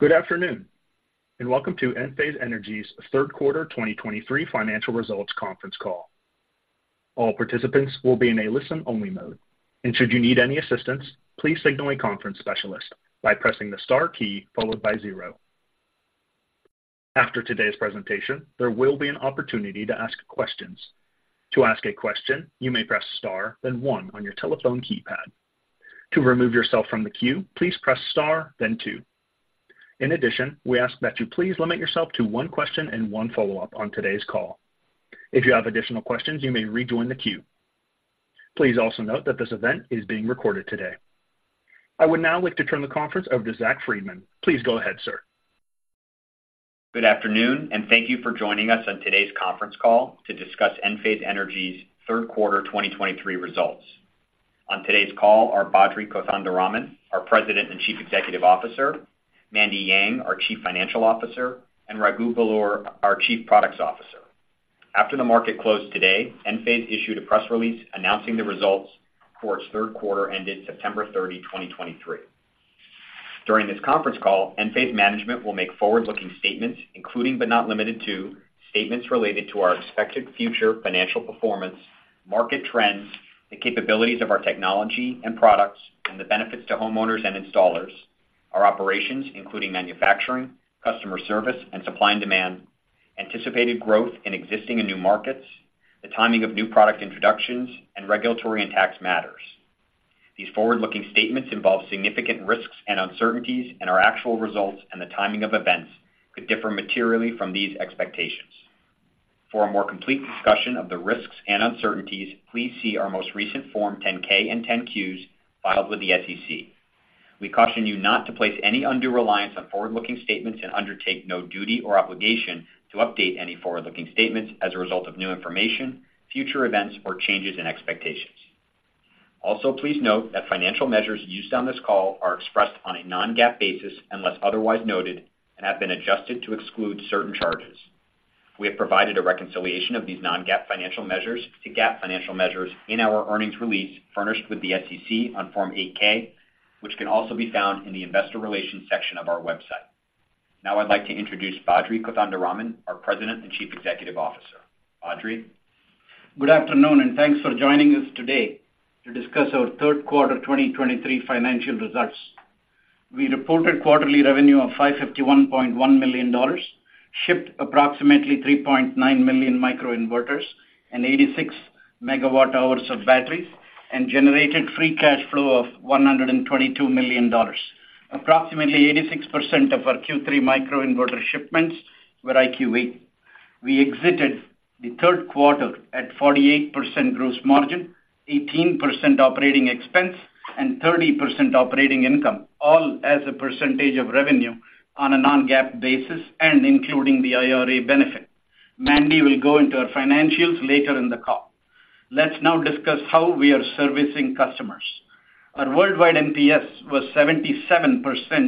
Good afternoon, and welcome to Enphase Energy's Q3 2023 financial results conference call. All participants will be in a listen-only mode, and should you need any assistance, please signal a conference specialist by pressing the Star key followed by zero. After today's presentation, there will be an opportunity to ask questions. To ask a question, you may press Star, then one on your telephone keypad. To remove yourself from the queue, please press Star, then two. In addition, we ask that you please limit yourself to one question and one follow-up on today's call. If you have additional questions, you may rejoin the queue. Please also note that this event is being recorded today. I would now like to turn the conference over to Zach Freedman. Please go ahead, sir. Good afternoon, and thank you for joining us on today's conference call to discuss Enphase Energy's Q3 2023 results. On today's call are Badri Kothandaraman, our President and Chief Executive Officer, Mandy Yang, our Chief Financial Officer, and Raghu Belur, our Chief Products Officer. After the market closed today, Enphase issued a press release announcing the results for its Q3 ended September 30, 2023. During this conference call, Enphase management will make forward-looking statements, including but not limited to statements related to our expected future financial performance, market trends, the capabilities of our technology and products, and the benefits to homeowners and installers, our operations, including manufacturing, customer service, and supply and demand, anticipated growth in existing and new markets, the timing of new product introductions, and regulatory and tax matters. These forward-looking statements involve significant risks and uncertainties, and our actual results and the timing of events could differ materially from these expectations. For a more complete discussion of the risks and uncertainties, please see our most recent Form 10-K and 10-Qs filed with the SEC. We caution you not to place any undue reliance on forward-looking statements and undertake no duty or obligation to update any forward-looking statements as a result of new information, future events, or changes in expectations. Also, please note that financial measures used on this call are expressed on a non-GAAP basis, unless otherwise noted, and have been adjusted to exclude certain charges. We have provided a reconciliation of these non-GAAP financial measures to GAAP financial measures in our earnings release furnished with the SEC on Form 8-K, which can also be found in the Investor Relations section of our website. Now I'd like to introduce Badri Kothandaraman, our President and Chief Executive Officer. Badri? Good afternoon, and thanks for joining us today to discuss our Q3 2023 financial results. We reported quarterly revenue of $551.1 million, shipped approximately 3.9 million microinverters and 86 megawatt-hours of batteries, and generated free cash flow of $122 million. Approximately 86% of our Q3 microinverter shipments were IQ8. We exited the Q3 at 48% gross margin, 18% operating expense, and 30% operating income, all as a percentage of revenue on a non-GAAP basis and including the IRA benefit. Mandy will go into our financials later in the call. Let's now discuss how we are servicing customers. Our worldwide NPS was 77%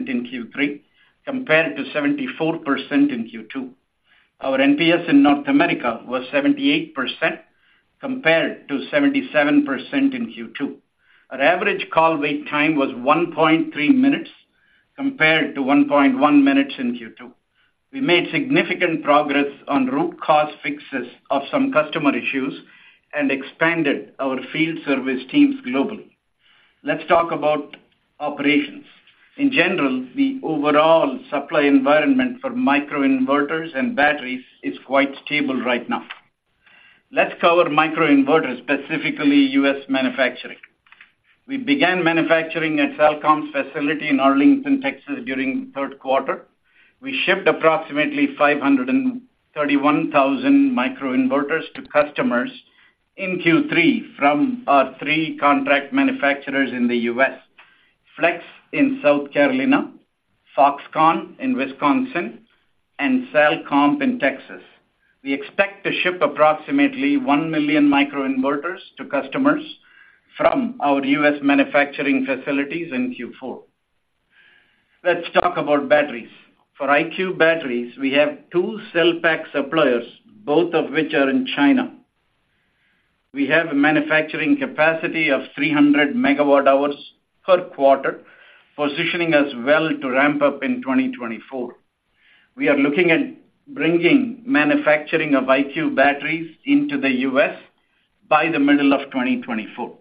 in Q3, compared to 74% in Q2. Our NPS in North America was 78%, compared to 77% in Q2. Our average call wait time was 1.3 minutes, compared to 1.1 minutes in Q2. We made significant progress on root cause fixes of some customer issues and expanded our field service teams globally. Let's talk about operations. In general, the overall supply environment for microinverters and batteries is quite stable right now. Let's cover microinverters, specifically U.S. manufacturing. We began manufacturing at Salcomp's facility in Arlington, Texas, during the Q3. We shipped approximately 531,000 microinverters to customers in Q3 from our three contract manufacturers in the U.S.: Flex in South Carolina, Foxconn in Wisconsin, and Salcomp in Texas. We expect to ship approximately 1 million microinverters to customers from our U.S. manufacturing facilities in Q4. Let's talk about batteries. For IQ batteries, we have two cell pack suppliers, both of which are in China. We have a manufacturing capacity of 300 MWh per quarter, positioning us well to ramp up in 2024. We are looking at bringing manufacturing of IQ batteries into the U.S. by the middle of 2024.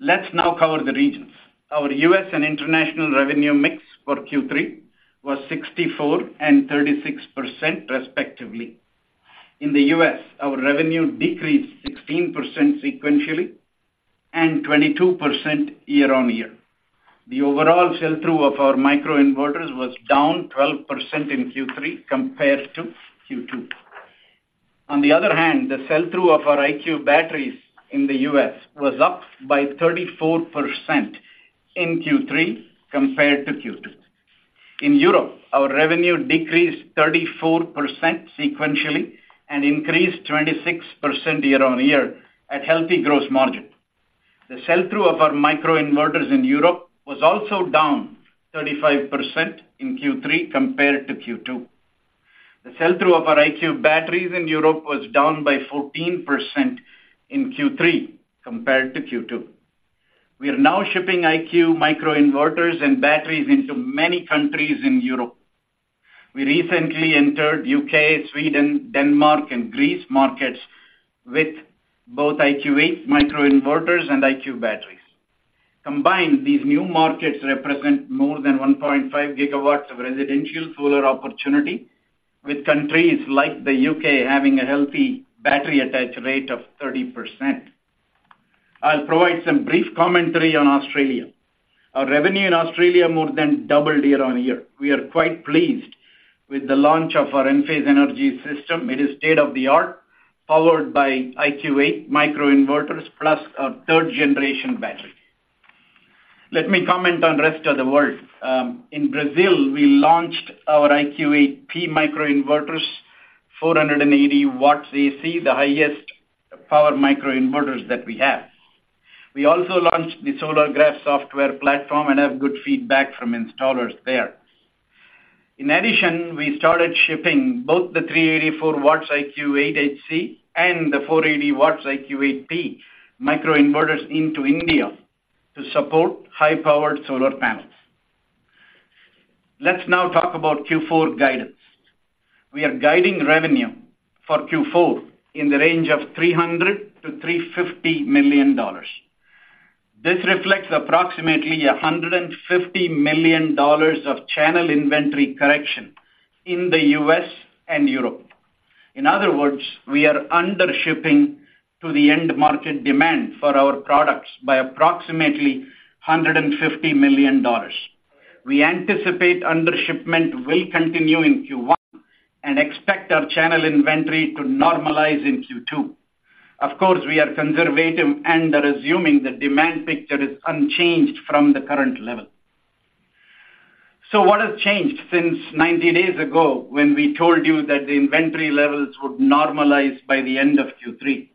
Let's now cover the regions. Our U.S. and international revenue mix for Q3 was 64% and 36%, respectively. In the U.S., our revenue decreased 16% sequentially and 22% year-on-year. The overall sell-through of our microinverters was down 12% in Q3 compared to Q2. On the other hand, the sell-through of our IQ batteries in the U.S. was up by 34% in Q3 compared to Q2. In Europe, our revenue decreased 34% sequentially and increased 26% year-on-year at healthy gross margin. The sell-through of our microinverters in Europe was also down 35% in Q3 compared to Q2. The sell-through of our IQ batteries in Europe was down by 14% in Q3 compared to Q2. We are now shipping IQ microinverters and batteries into many countries in Europe. We recently entered U.K., Sweden, Denmark and Greece markets with both IQ8 microinverters and IQ batteries. Combined, these new markets represent more than 1.5 gigawatts of residential solar opportunity, with countries like the U.K. having a healthy battery attach rate of 30%. I'll provide some brief commentary on Australia. Our revenue in Australia more than doubled year-on-year. We are quite pleased with the launch of our Enphase Energy System. It is state-of-the-art, powered by IQ8 microinverters, plus our third-generation battery. Let me comment on rest of the world. In Brazil, we launched our IQ8P microinverters, 480 watts AC, the highest power microinverters that we have. We also launched the Solargraf software platform and have good feedback from installers there. In addition, we started shipping both the 384 watts IQ8HC and the 480 watts IQ8P microinverters into India to support high-powered solar panels. Let's now talk about Q4 guidance. We are guiding revenue for Q4 in the range of $300 million-$350 million. This reflects approximately $150 million of channel inventory correction in the U.S. and Europe. In other words, we are undershipping to the end market demand for our products by approximately $150 million. We anticipate undershipment will continue in Q1 and expect our channel inventory to normalize in Q2. Of course, we are conservative and are assuming the demand picture is unchanged from the current level. So what has changed since 90 days ago, when we told you that the inventory levels would normalize by the end of Q3?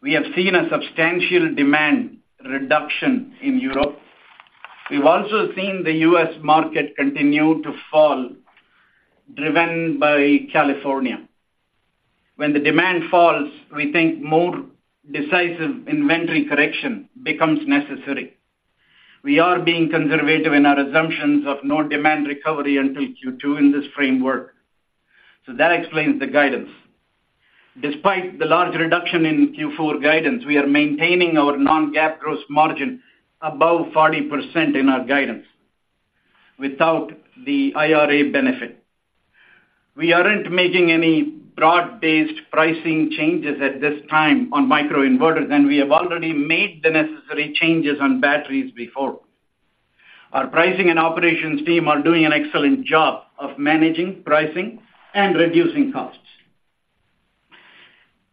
We have seen a substantial demand reduction in Europe. We've also seen the U.S. market continue to fall, driven by California. When the demand falls, we think more decisive inventory correction becomes necessary. We are being conservative in our assumptions of no demand recovery until Q2 in this framework, so that explains the guidance. Despite the large reduction in Q4 guidance, we are maintaining our non-GAAP gross margin above 40% in our guidance without the IRA benefit. We aren't making any broad-based pricing changes at this time on microinverters, and we have already made the necessary changes on batteries before. Our pricing and operations team are doing an excellent job of managing pricing and reducing costs.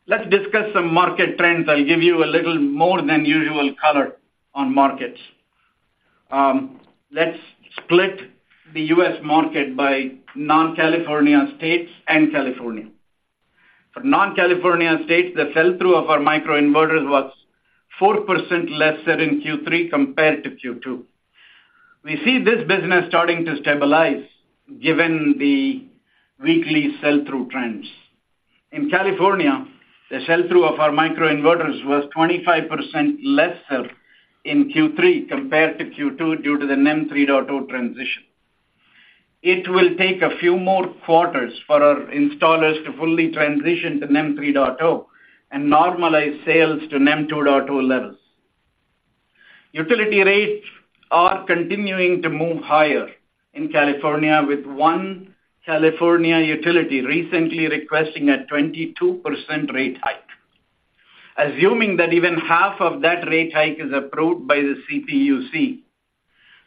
Let's discuss some market trends. I'll give you a little more than usual color on markets. Let's split the U.S. market by non-California states and California. For non-California states, the sell-through of our microinverters was 4% lesser in Q3 compared to Q2. We see this business starting to stabilize given the weekly sell-through trends. In California, the sell-through of our microinverters was 25% lesser in Q3 compared to Q2 due to the NEM 3.0 transition. It will take a few more quarters for our installers to fully transition to NEM 3.0 and normalize sales to NEM 2.0 levels. Utility rates are continuing to move higher in California, with one California utility recently requesting a 22% rate hike. Assuming that even half of that rate hike is approved by the CPUC,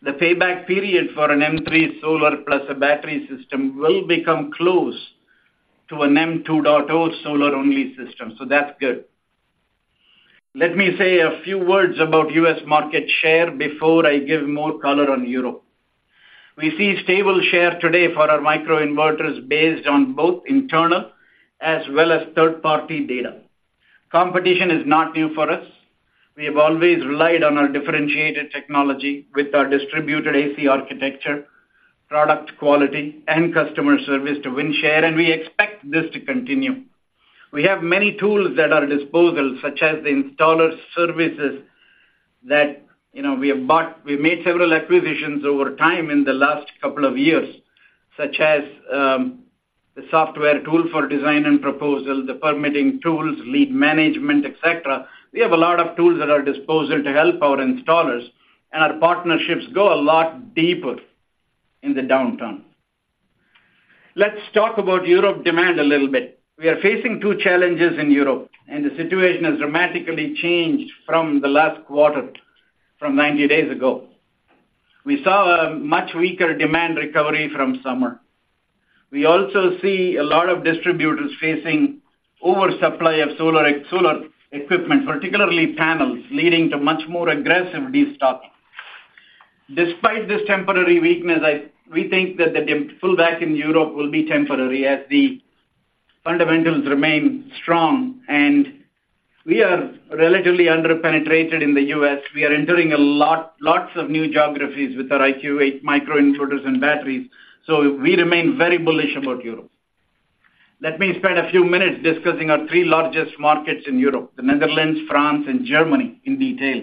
the payback period for an NEM 3.0 solar plus a battery system will become close to an NEM 2.0 solar-only system, so that's good. Let me say a few words about U.S. market share before I give more color on Europe. We see stable share today for our microinverters based on both internal as well as third-party data. Competition is not new for us. We have always relied on our differentiated technology with our distributed AC architecture, product quality, and customer service to win share, and we expect this to continue. We have many tools at our disposal, such as the installer services that, you know, we have bought. We made several acquisitions over time in the last couple of years, such as the software tool for design and proposal, the permitting tools, lead management, et cetera. We have a lot of tools at our disposal to help our installers, and our partnerships go a lot deeper in the downturn. Let's talk about Europe demand a little bit. We are facing two challenges in Europe, and the situation has dramatically changed from the last quarter, from 90 days ago. We saw a much weaker demand recovery from summer. We also see a lot of distributors facing oversupply of solar equipment, particularly panels, leading to much more aggressive destocking. Despite this temporary weakness, we think that the pull back in Europe will be temporary as the-... Fundamentals remain strong, and we are relatively under-penetrated in the U.S. We are entering lots of new geographies with our IQ8 microinverters and batteries, so we remain very bullish about Europe. Let me spend a few minutes discussing our three largest markets in Europe: the Netherlands, France, and Germany, in detail.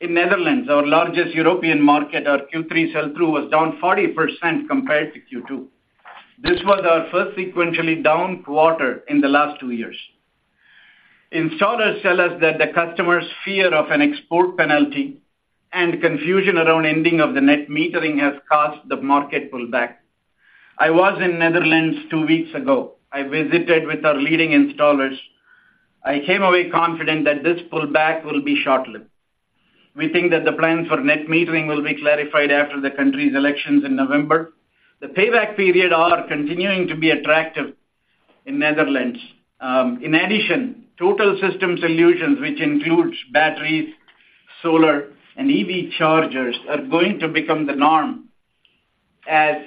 In the Netherlands, our largest European market, our Q3 sell-through was down 40% compared to Q2. This was our first sequentially down quarter in the last two years. Installers tell us that the customers' fear of an export penalty and confusion around ending of the net metering has caused the market pullback. I was in the Netherlands two weeks ago. I visited with our leading installers. I came away confident that this pullback will be short-lived. We think that the plans for net metering will be clarified after the country's elections in November. The payback period is continuing to be attractive in the Netherlands. In addition, total system solutions, which includes batteries, solar, and EV chargers, are going to become the norm as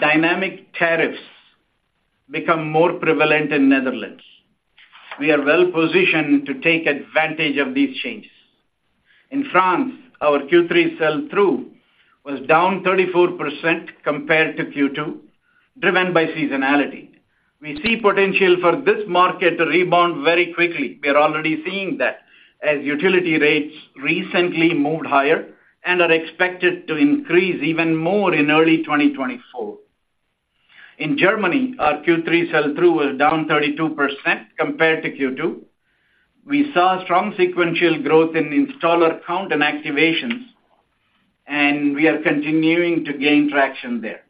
dynamic tariffs become more prevalent in the Netherlands. We are well-positioned to take advantage of these changes. In France, our Q3 sell-through was down 34% compared to Q2, driven by seasonality. We see potential for this market to rebound very quickly. We are already seeing that as utility rates recently moved higher and are expected to increase even more in early 2024. In Germany, our Q3 sell-through was down 32% compared to Q2. We saw strong sequential growth in installer count and activations, and we are continuing to gain traction there.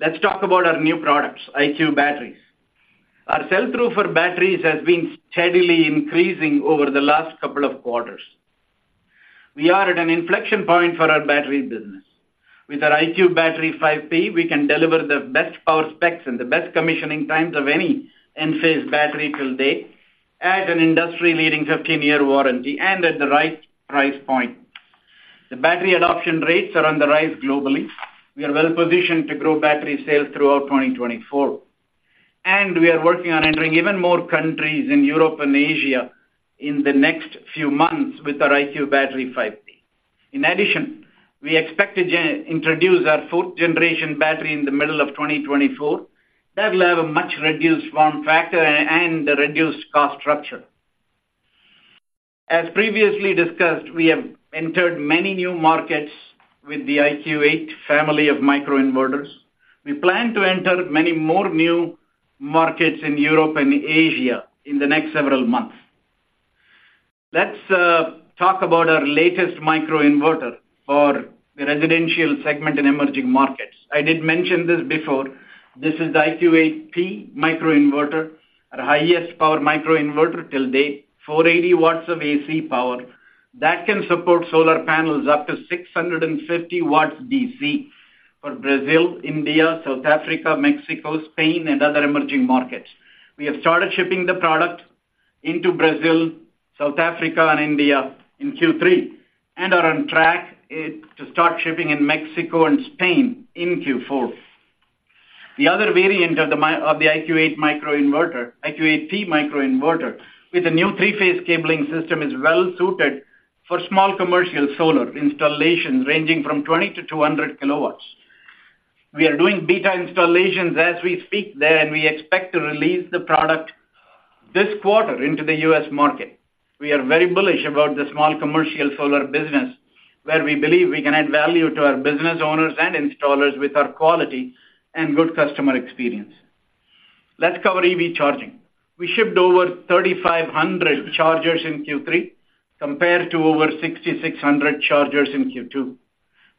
Let's talk about our new products, IQ Batteries. Our sell-through for batteries has been steadily increasing over the last couple of quarters. We are at an inflection point for our battery business. With our IQ Battery 5P, we can deliver the best power specs and the best commissioning times of any Enphase battery to date, at an industry-leading 15-year warranty and at the right price point. The battery adoption rates are on the rise globally. We are well positioned to grow battery sales throughout 2024, and we are working on entering even more countries in Europe and Asia in the next few months with our IQ Battery 5P. In addition, we expect to introduce our fourth generation battery in the middle of 2024. That will have a much-reduced form factor and a reduced cost structure. As previously discussed, we have entered many new markets with the IQ8 family of microinverters. We plan to enter many more new markets in Europe and Asia in the next several months. Let's talk about our latest microinverter for the residential segment in emerging markets. I did mention this before. This is the IQ8P microinverter, our highest power microinverter till date, 480 watts of AC power. That can support solar panels up to 650 watts DC for Brazil, India, South Africa, Mexico, Spain, and other emerging markets. We have started shipping the product into Brazil, South Africa, and India in Q3, and are on track to start shipping in Mexico and Spain in Q4. The other variant of the IQ8 microinverter, IQ8P microinverter, with a new three-phase cabling system, is well-suited for small commercial solar installations ranging from 20-200 kW. We are doing beta installations as we speak there, and we expect to release the product this quarter into the U.S. market. We are very bullish about the small commercial solar business, where we believe we can add value to our business owners and installers with our quality and good customer experience. Let's cover EV charging. We shipped over 3,500 chargers in Q3, compared to over 6,600 chargers in Q2.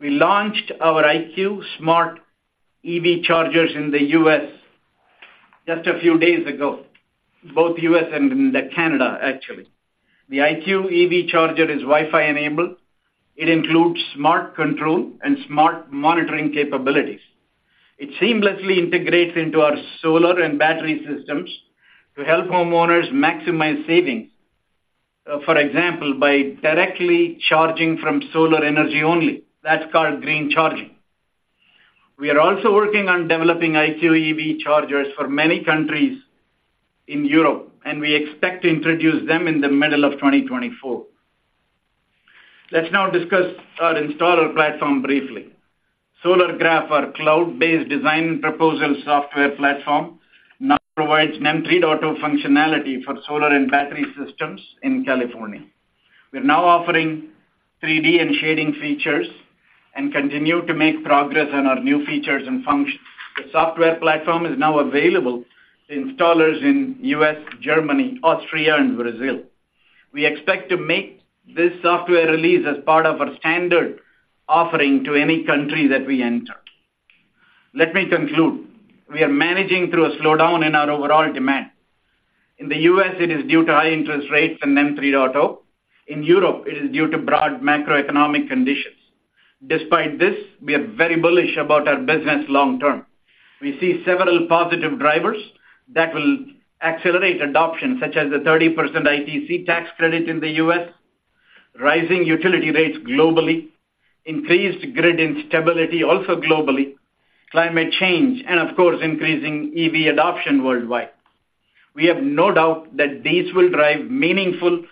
We launched our IQ Smart EV chargers in the U.S. just a few days ago, both U.S. and in Canada, actually. The IQ EV charger is Wi-Fi enabled. It includes smart control and smart monitoring capabilities. It seamlessly integrates into our solar and battery systems to help homeowners maximize savings. For example, by directly charging from solar energy only. That's called green charging. We are also working on developing IQ EV chargers for many countries in Europe, and we expect to introduce them in the middle of 2024. Let's now discuss our installer platform briefly. Solargraf, our cloud-based design proposal software platform, now provides NEM 3.0 functionality for solar and battery systems in California. We are now offering 3D and shading features and continue to make progress on our new features and functions. The software platform is now available to installers in U.S., Germany, Austria, and Brazil. We expect to make this software release as part of our standard offering to any country that we enter. Let me conclude. We are managing through a slowdown in our overall demand. In the U.S., it is due to high interest rates and NEM 3.0. In Europe, it is due to broad macroeconomic conditions. Despite this, we are very bullish about our business long term. We see several positive drivers that will accelerate adoption, such as the 30% ITC tax credit in the U.S. Rising utility rates globally, increased grid instability also globally, climate change, and of course, increasing EV adoption worldwide. We have no doubt that these will drive meaningful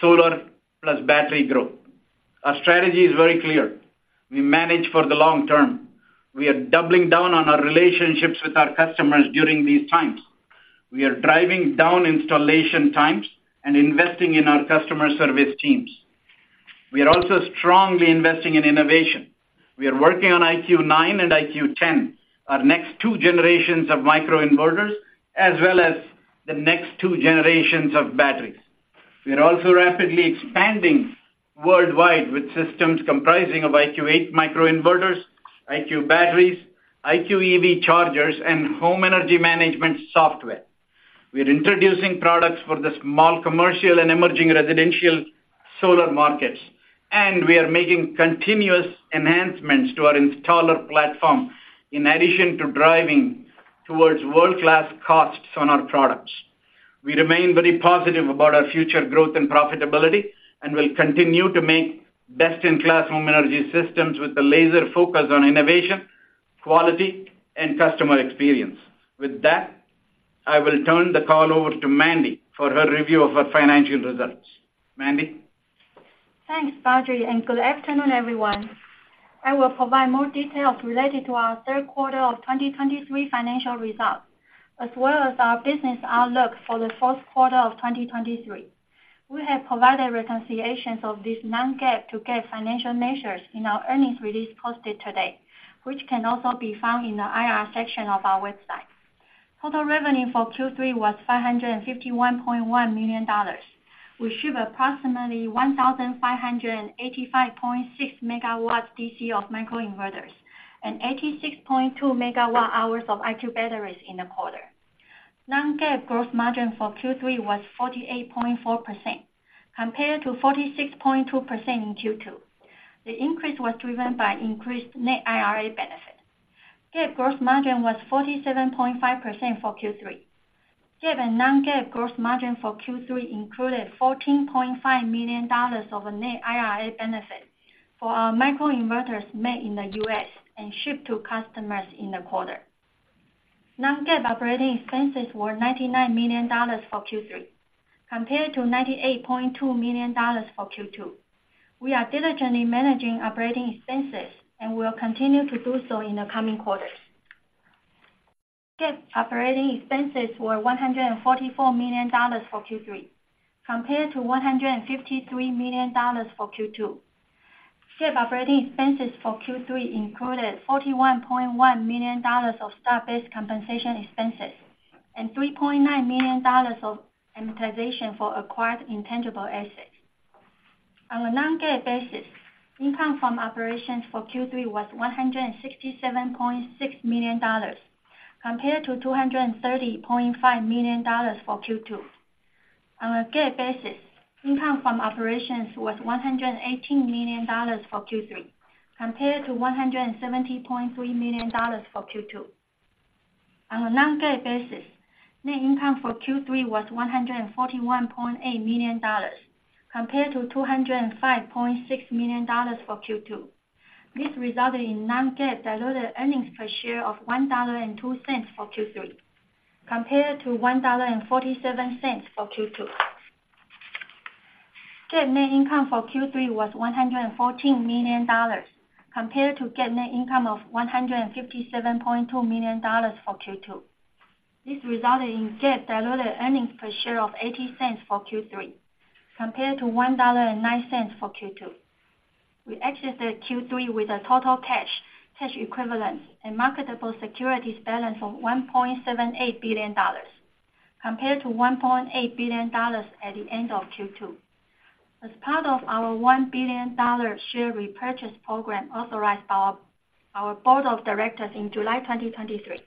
solar plus battery growth. Our strategy is very clear: We manage for the long term. We are doubling down on our relationships with our customers during these times. We are driving down installation times and investing in our customer service teams. We are also strongly investing in innovation. We are working on IQ9 and IQ10, our next two generations of microinverters, as well as the next two generations of batteries. We are also rapidly expanding worldwide with systems comprising of IQ8 microinverters, IQ batteries, IQ EV chargers, and home energy management software. We are introducing products for the small, commercial, and emerging residential solar markets, and we are making continuous enhancements to our installer platform, in addition to driving towards world-class costs on our products. We remain very positive about our future growth and profitability, and will continue to make best-in-class home energy systems with a laser focus on innovation, quality, and customer experience. With that, I will turn the call over to Mandy for her review of our financial results. Mandy? Thanks, Badri, and good afternoon, everyone. I will provide more details related to our Q3 of 2023 financial results, as well as our business outlook for the Q4 of 2023. We have provided reconciliations of these non-GAAP to GAAP financial measures in our earnings release posted today, which can also be found in the IR section of our website. Total revenue for Q3 was $551.1 million. We shipped approximately 1,585.6 megawatts DC of microinverters and 86.2 megawatt-hours of IQ batteries in the quarter. Non-GAAP gross margin for Q3 was 48.4%, compared to 46.2% in Q2. The increase was driven by increased net IRA benefit. GAAP gross margin was 47.5% for Q3. GAAP and non-GAAP gross margin for Q3 included $14.5 million of net IRA benefit for our microinverters made in the US and shipped to customers in the quarter. Non-GAAP operating expenses were $99 million for Q3, compared to $98.2 million for Q2. We are diligently managing operating expenses and will continue to do so in the coming quarters. GAAP operating expenses were $144 million for Q3, compared to $153 million for Q2. GAAP operating expenses for Q3 included $41.1 million of stock-based compensation expenses and $3.9 million of amortization for acquired intangible assets. On a non-GAAP basis, income from operations for Q3 was $167.6 million, compared to $230.5 million for Q2. On a GAAP basis, income from operations was $118 million for Q3, compared to $117.3 million for Q2. On a non-GAAP basis, net income for Q3 was $141.8 million, compared to $205.6 million for Q2. This resulted in non-GAAP diluted earnings per share of $1.02 for Q3, compared to $1.47 for Q2. GAAP net income for Q3 was $114 million, compared to GAAP net income of $157.2 million for Q2. This resulted in GAAP diluted earnings per share of $0.80 for Q3, compared to $1.09 for Q2. We exited Q3 with a total cash, cash equivalents, and marketable securities balance of $1.78 billion, compared to $1.8 billion at the end of Q2. As part of our $1 billion share repurchase program authorized by our board of directors in July 2023,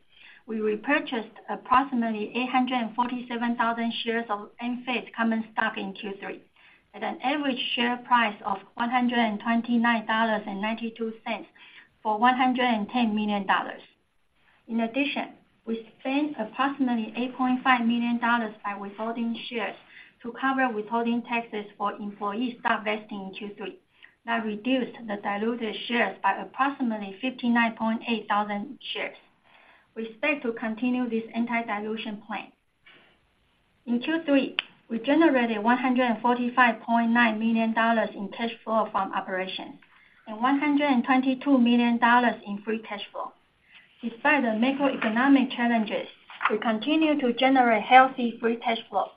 we repurchased approximately 847,000 shares of Enphase common stock in Q3, at an average share price of $129.92 for $110 million. In addition, we spent approximately $8.5 million by withholding shares to cover withholding taxes for employee stock vesting in Q3. That reduced the diluted shares by approximately 59,800 shares. We expect to continue this anti-dilution plan. In Q3, we generated $145.9 million in cash flow from operations and $122 million in free cash flow. Despite the macroeconomic challenges, we continue to generate healthy free cash flow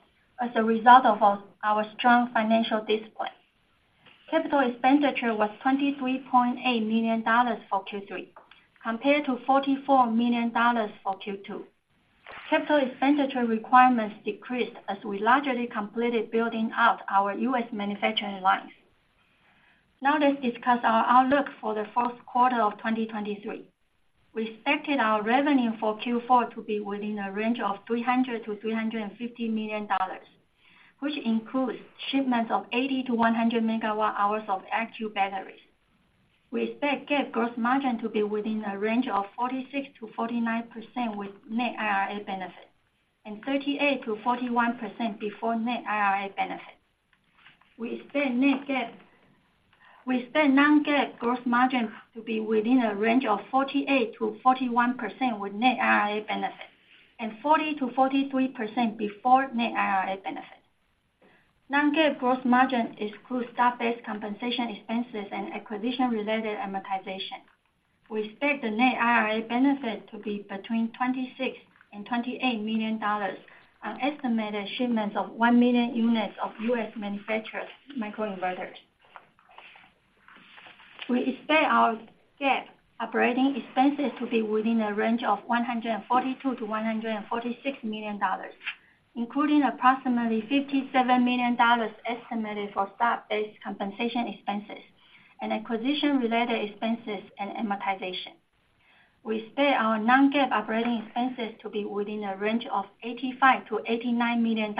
as a result of our strong financial discipline. Capital expenditure was $23.8 million for Q3, compared to $44 million for Q2. Capital expenditure requirements decreased as we largely completed building out our U.S. manufacturing lines. Now, let's discuss our outlook for the Q4 of 2023. We expected our revenue for Q4 to be within a range of $300 million to 350 million, which includes shipments of 80 to 100 megawatt-hours of IQ batteries. We expect GAAP gross margin to be within a range of 46% to 49% with net IRA benefit, and 38% to 41% before net IRA benefit. We expect non-GAAP gross margin to be within a range of 48% to 41% with net IRA benefit, and 40% to 43% before net IRA benefit. Non-GAAP gross margin excludes stock-based compensation expenses and acquisition-related amortization. We expect the net IRA benefit to be between $26 million and $28 million on estimated shipments of 1 million units of U.S.-manufactured microinverters. We expect our GAAP operating expenses to be within a range of $142 million to 146 million, including approximately $57 million estimated for stock-based compensation expenses and acquisition-related expenses and amortization. We expect our non-GAAP operating expenses to be within a range of $85 million to 89 million.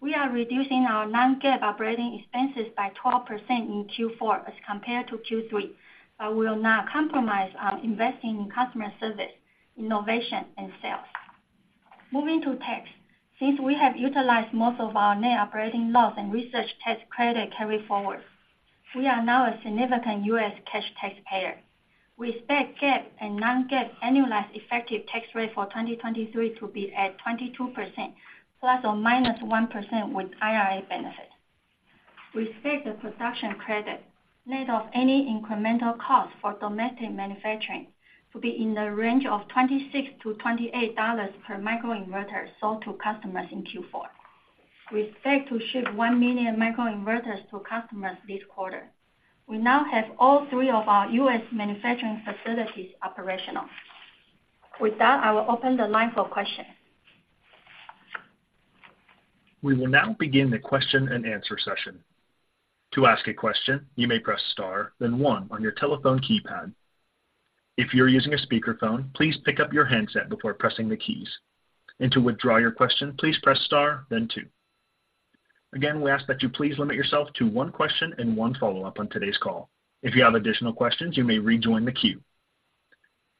We are reducing our non-GAAP operating expenses by 12% in Q4 as compared to Q3, but we will not compromise our investing in customer service, innovation, and sales. Moving to tax. Since we have utilized most of our net operating loss and research tax credit carryforward, we are now a significant U.S. cash taxpayer. We expect GAAP and non-GAAP annualized effective tax rate for 2023 to be at 22%, ±1% with IRA benefit. We expect the production credit, net of any incremental cost for domestic manufacturing, to be in the range of $26 to 28 per microinverter sold to customers in Q4. We expect to ship 1 million microinverters to customers this quarter. We now have all three of our U.S. manufacturing facilities operational. With that, I will open the line for questions. We will now begin the Q&A session. To ask a question, you may press star, then one on your telephone keypad. If you're using a speakerphone, please pick up your handset before pressing the keys. To withdraw your question, please press star then two. Again, we ask that you please limit yourself to one question and one follow-up on today's call. If you have additional questions, you may rejoin the queue.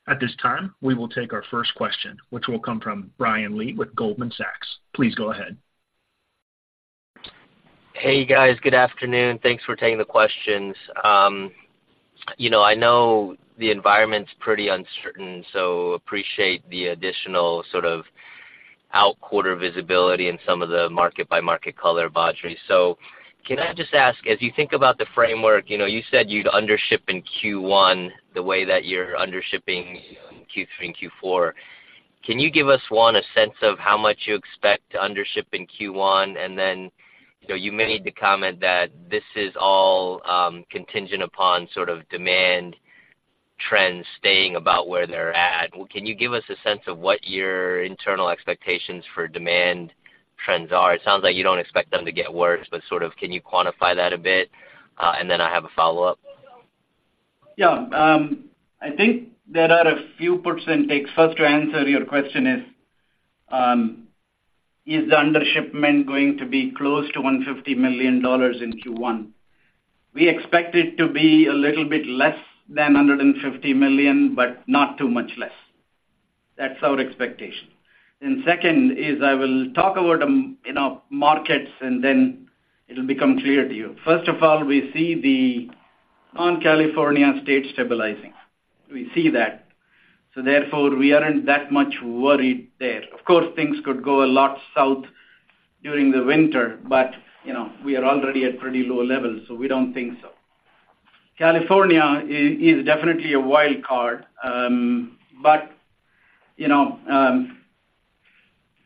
At this time, we will take our first question, which will come from Brian Lee with Goldman Sachs. Please go ahead. Hey, guys. Good afternoon. Thanks for taking the questions. You know, I know the environment's pretty uncertain, so appreciate the additional sort of outquarter visibility in some of the market-by-market color, Badri. So can I just ask, as you think about the framework, you know, you said you'd undership in Q1, the way that you're undershipping Q3 and Q4. Can you give us, one, a sense of how much you expect to undership in Q1? And then, you know, you made the comment that this is all contingent upon sort of demand trends staying about where they're at. Well, can you give us a sense of what your internal expectations for demand trends are? It sounds like you don't expect them to get worse, but sort of, can you quantify that a bit? And then I have a follow-up. Yeah. I think there are a few percentage. First, to answer your question is, is the undershipment going to be close to $150 million in Q1? We expect it to be a little bit less than $150 million, but not too much less. That's our expectation. Then second is I will talk about the, you know, markets, and then it'll become clear to you. First of all, we see the non-California state stabilizing. We see that, so therefore, we aren't that much worried there. Of course, things could go a lot south during the winter, but, you know, we are already at pretty low levels, so we don't think so. California is definitely a wild card, but, you know,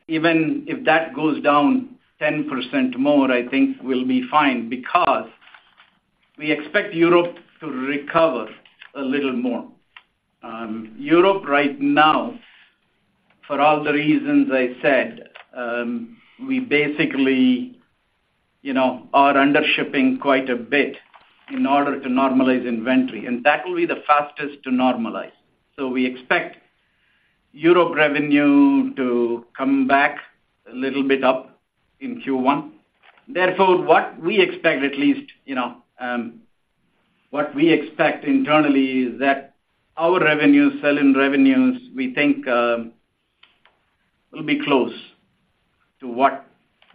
even if that goes down 10% more, I think we'll be fine because we expect Europe to recover a little more. Europe right now, for all the reasons I said, we basically, you know, are undershipping quite a bit in order to normalize inventory, and that will be the fastest to normalize. So we expect Europe revenue to come back a little bit up in Q1. Therefore, what we expect, at least, you know, what we expect internally is that our revenues, sell-in revenues, we think, will be close to what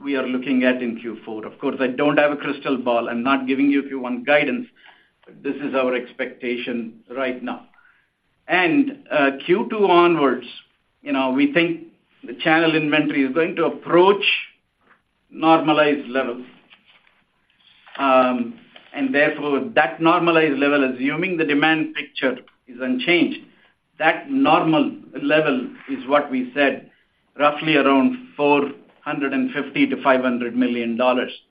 we are looking at in Q4. Of course, I don't have a crystal ball. I'm not giving you Q1 guidance, but this is our expectation right now. And, Q2 onwards, you know, we think the channel inventory is going to approach normalized levels. And therefore, that normalized level, assuming the demand picture is unchanged, that normal level is what we said, roughly around $450 million-$500 million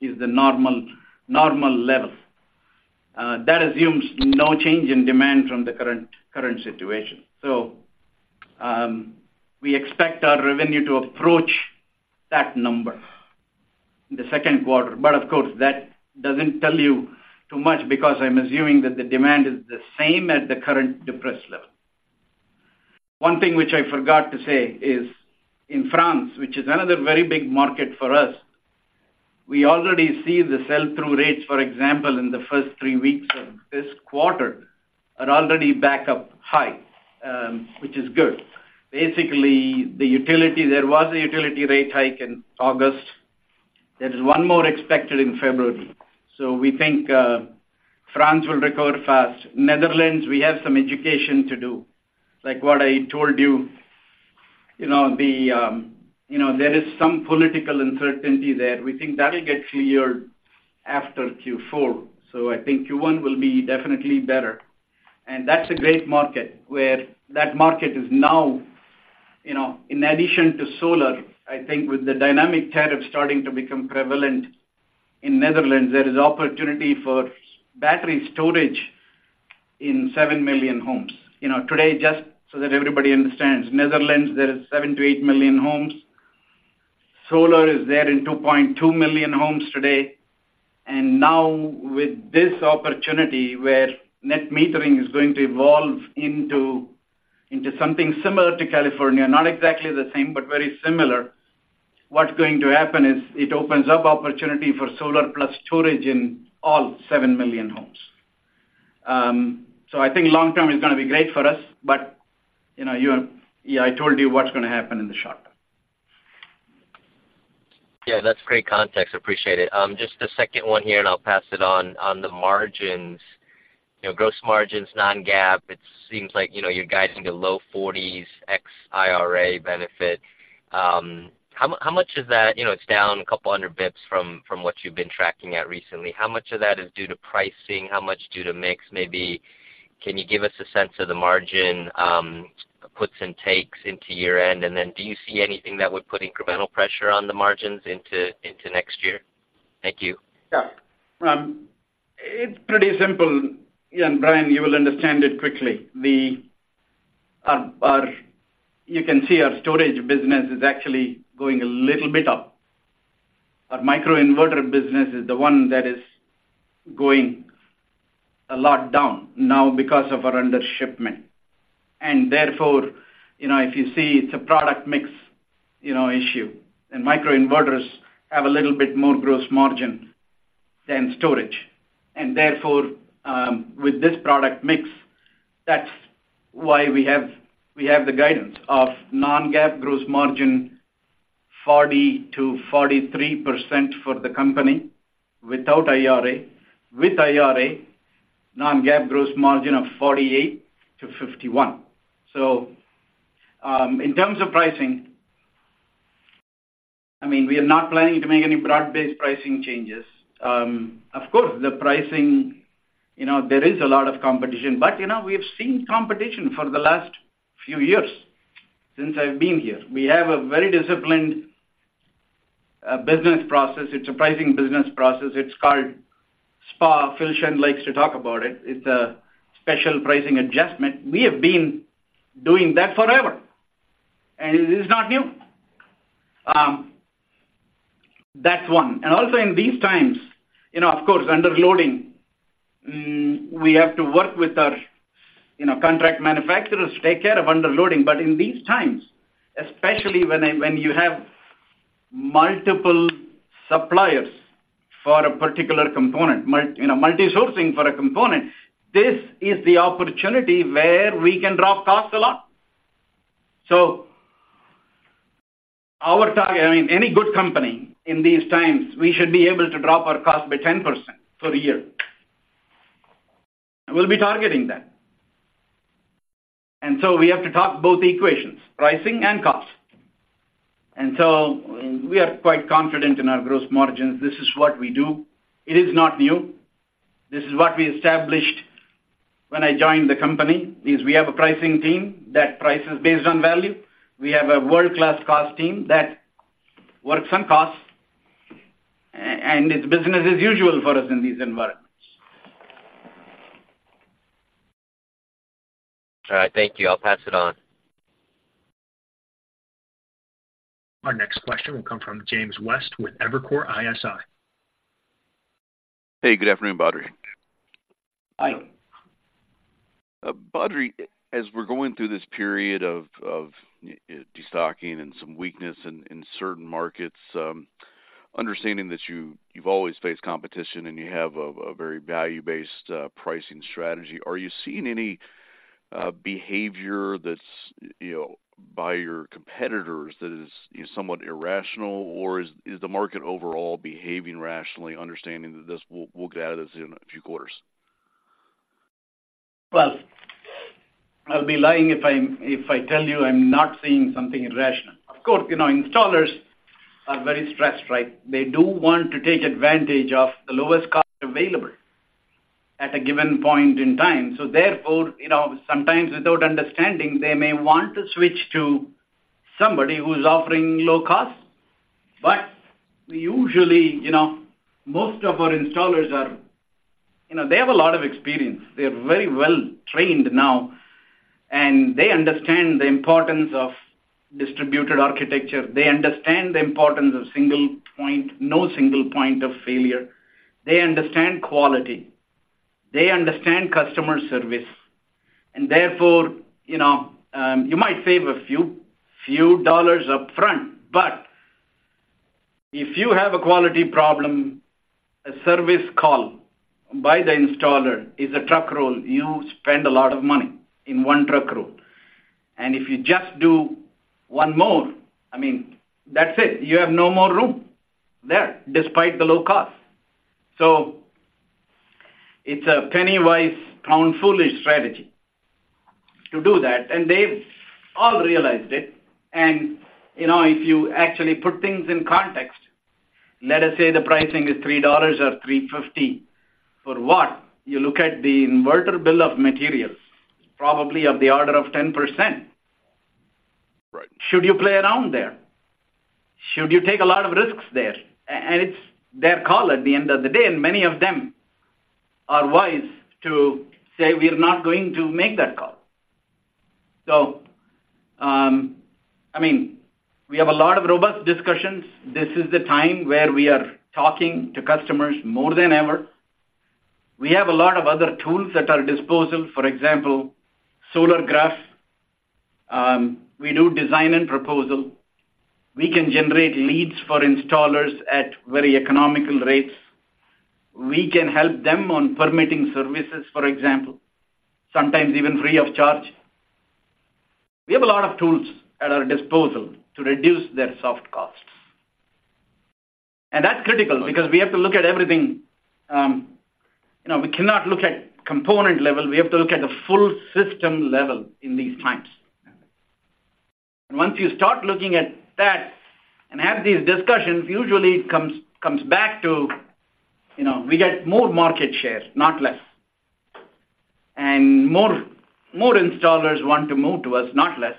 is the normal, normal level. That assumes no change in demand from the current, current situation. So, we expect our revenue to approach that number in the Q2. But of course, that doesn't tell you too much because I'm assuming that the demand is the same at the current depressed level. One thing which I forgot to say is, in France, which is another very big market for us, we already see the sell-through rates, for example, in the first three weeks of this quarter, are already back up high, which is good. Basically, the utility, there was a utility rate hike in August. There is one more expected in February. So we think France will recover fast. Netherlands, we have some education to do. Like what I told you, you know, there is some political uncertainty there. We think that'll get cleared after Q4. So I think Q1 will be definitely better. And that's a great market, where that market is now, you know, in addition to solar, I think with the dynamic tariff starting to become prevalent in Netherlands, there is opportunity for battery storage in 7 million homes. You know, today, just so that everybody understands, Netherlands, there is 7-8 million homes. Solar is there in 2.2 million homes today. Now with this opportunity, where net metering is going to evolve into something similar to California, not exactly the same, but very similar, what's going to happen is it opens up opportunity for solar plus storage in all 7 million homes. So I think long term is gonna be great for us, but, you know, I told you what's gonna happen in the short term. Yeah, that's great context. Appreciate it. Just a second one here, and I'll pass it on. On the margins, you know, gross margins, non-GAAP, it seems like, you know, you're guiding to low 40s% ex-IRA benefit. How much is that? You know, it's down 200 basis points from what you've been tracking at recently. How much of that is due to pricing? How much due to mix? Maybe, can you give us a sense of the margin puts and takes into year-end? And then do you see anything that would put incremental pressure on the margins into next year? Thank you. Yeah. It's pretty simple, and Brian, you will understand it quickly. You can see our storage business is actually going a little bit up. Our microinverter business is the one that is going a lot down now because of our undershipment. And therefore, you know, if you see, it's a product mix, you know, issue. And microinverters have a little bit more gross margin than storage. And therefore, with this product mix, that's why we have, we have the guidance of non-GAAP gross margin, 40%-43% for the company without IRA. With IRA, non-GAAP gross margin of 48%-51%. So, in terms of pricing, I mean, we are not planning to make any broad-based pricing changes. Of course, the pricing, you know, there is a lot of competition, but, you know, we have seen competition for the last few years since I've been here. We have a very disciplined business process. It's a pricing business process. It's called SPA. Phil Shen likes to talk about it. It's a special pricing adjustment. We have been doing that forever, and it is not new. That's one. And also in these times, you know, of course, underloading, we have to work with our, you know, contract manufacturers to take care of underloading. But in these times, especially when you have multiple suppliers for a particular component, multi-sourcing for a component, this is the opportunity where we can drop costs a lot. Our target, I mean, any good company in these times, we should be able to drop our cost by 10% for a year. We'll be targeting that. We have to talk both equations, pricing and costs. We are quite confident in our gross margins. This is what we do. It is not new. This is what we established when I joined the company, is we have a pricing team that prices based on value. We have a world-class cost team that works on costs, and it's business as usual for us in these environments. All right, thank you. I'll pass it on. Our next question will come from James West with Evercore ISI. Hey, good afternoon, Badri. Hi. Badri, as we're going through this period of destocking and some weakness in certain markets, understanding that you've always faced competition and you have a very value-based pricing strategy, are you seeing any behavior that's, you know, by your competitors that is somewhat irrational? Or is the market overall behaving rationally, understanding that this, we'll get out of this in a few quarters? Well, I'll be lying if I tell you I'm not seeing something irrational. Of course, you know, installers are very stressed, right? They do want to take advantage of the lowest cost available at a given point in time. So therefore, you know, sometimes without understanding, they may want to switch to somebody who's offering low cost. But usually, you know, most of our installers are, you know, they have a lot of experience. They are very well trained now, and they understand the importance of distributed architecture. They understand the importance of single point, no single point of failure. They understand quality. they understand customer service, and therefore, you know, you might save a few, few dollars upfront, but if you have a quality problem, a service call by the installer is a truck roll. You spend a lot of money in one truck roll. And if you just do one more, I mean, that's it. You have no more room there, despite the low cost. So it's a penny-wise, pound-foolish strategy to do that, and they've all realized it. And, you know, if you actually put things in context, let us say the pricing is $3 or $3.50. For what? You look at the inverter bill of materials, probably of the order of 10%. Right. Should you play around there? Should you take a lot of risks there? And it's their call at the end of the day, and many of them are wise to say, "We are not going to make that call." So, I mean, we have a lot of robust discussions. This is the time where we are talking to customers more than ever. We have a lot of other tools at our disposal. For example, Solagraf. We do design and proposal. We can generate leads for installers at very economical rates. We can help them on permitting services, for example, sometimes even free of charge. We have a lot of tools at our disposal to reduce their soft costs, and that's critical because we have to look at everything. You know, we cannot look at component level. We have to look at the full system level in these times. Once you start looking at that and have these discussions, usually it comes back to, you know, we get more market share, not less. More installers want to move to us, not less.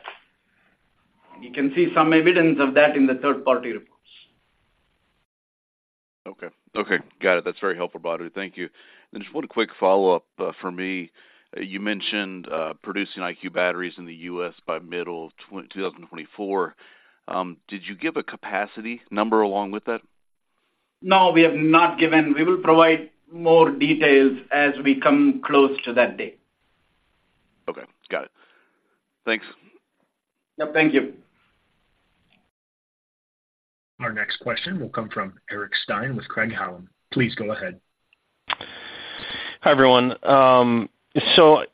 You can see some evidence of that in the third-party reports. Okay. Okay, got it. That's very helpful, Badri. Thank you. And just one quick follow-up for me. You mentioned producing IQ batteries in the U.S. by middle of 2024. Did you give a capacity number along with that? No, we have not given. We will provide more details as we come close to that date. Okay, got it. Thanks. Yeah, thank you. Our next question will come from Eric Stine with Craig-Hallum. Please go ahead. Hi, everyone. So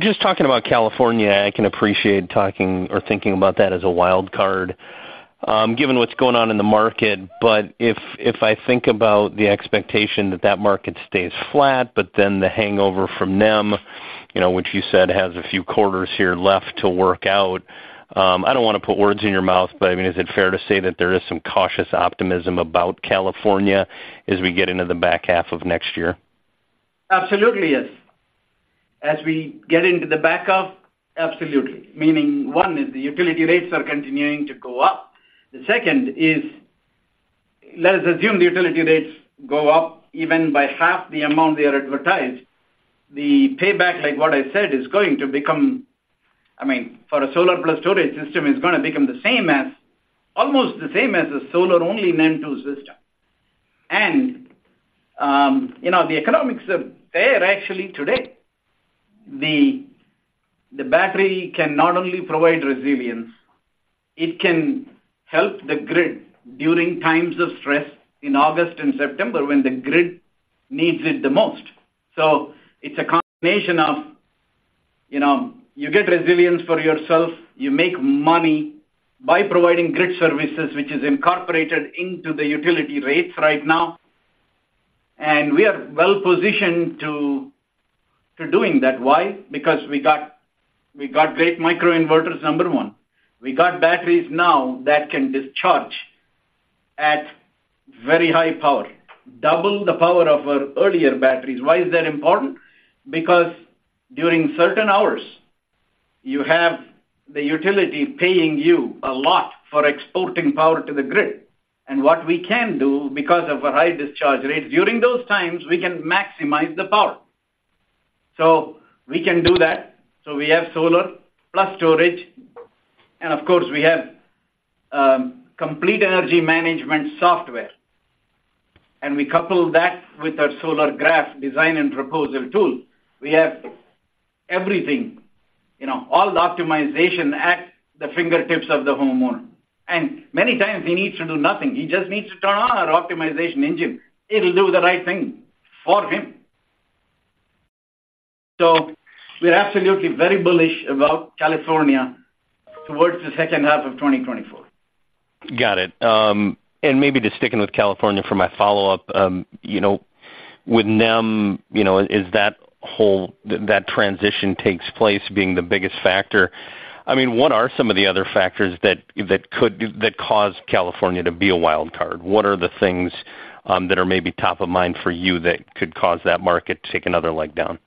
just talking about California, I can appreciate talking or thinking about that as a wild card, given what's going on in the market. But if I think about the expectation that that market stays flat, but then the hangover from NEM, you know, which you said has a few quarters here left to work out. I don't wanna put words in your mouth, but, I mean, is it fair to say that there is some cautious optimism about California as we get into the back half of next year? Absolutely, yes. As we get into the back half, absolutely. Meaning, one is the utility rates are continuing to go up. The second is, let us assume the utility rates go up even by half the amount they are advertised. The payback, like what I said, is going to become. I mean, for a solar-plus storage system, is gonna become the same as, almost the same as a solar-only NEM 2.0 system. And, you know, the economics are there actually today. The battery can not only provide resilience, it can help the grid during times of stress in August and September, when the grid needs it the most. So it's a combination of, you know, you get resilience for yourself, you make money by providing grid services, which is incorporated into the utility rates right now, and we are well-positioned to doing that. Why? Because we got great microinverters, number one. We got batteries now that can discharge at very high power, double the power of our earlier batteries. Why is that important? Because during certain hours, you have the utility paying you a lot for exporting power to the grid. And what we can do, because of a high discharge rate, during those times, we can maximize the power. So we can do that. So we have solar plus storage, and of course, we have complete energy management software, and we couple that with our Solagraf design and proposal tool. We have everything, you know, all the optimization at the fingertips of the homeowner. And many times he needs to do nothing. He just needs to turn on our optimization engine. It'll do the right thing for him. We're absolutely very bullish about California towards the second half of 2024. Got it. And maybe just sticking with California for my follow-up, you know, with NEM, you know, is that whole that transition takes place being the biggest factor? I mean, what are some of the other factors that could cause California to be a wild card? What are the things that are maybe top of mind for you that could cause that market to take another leg down?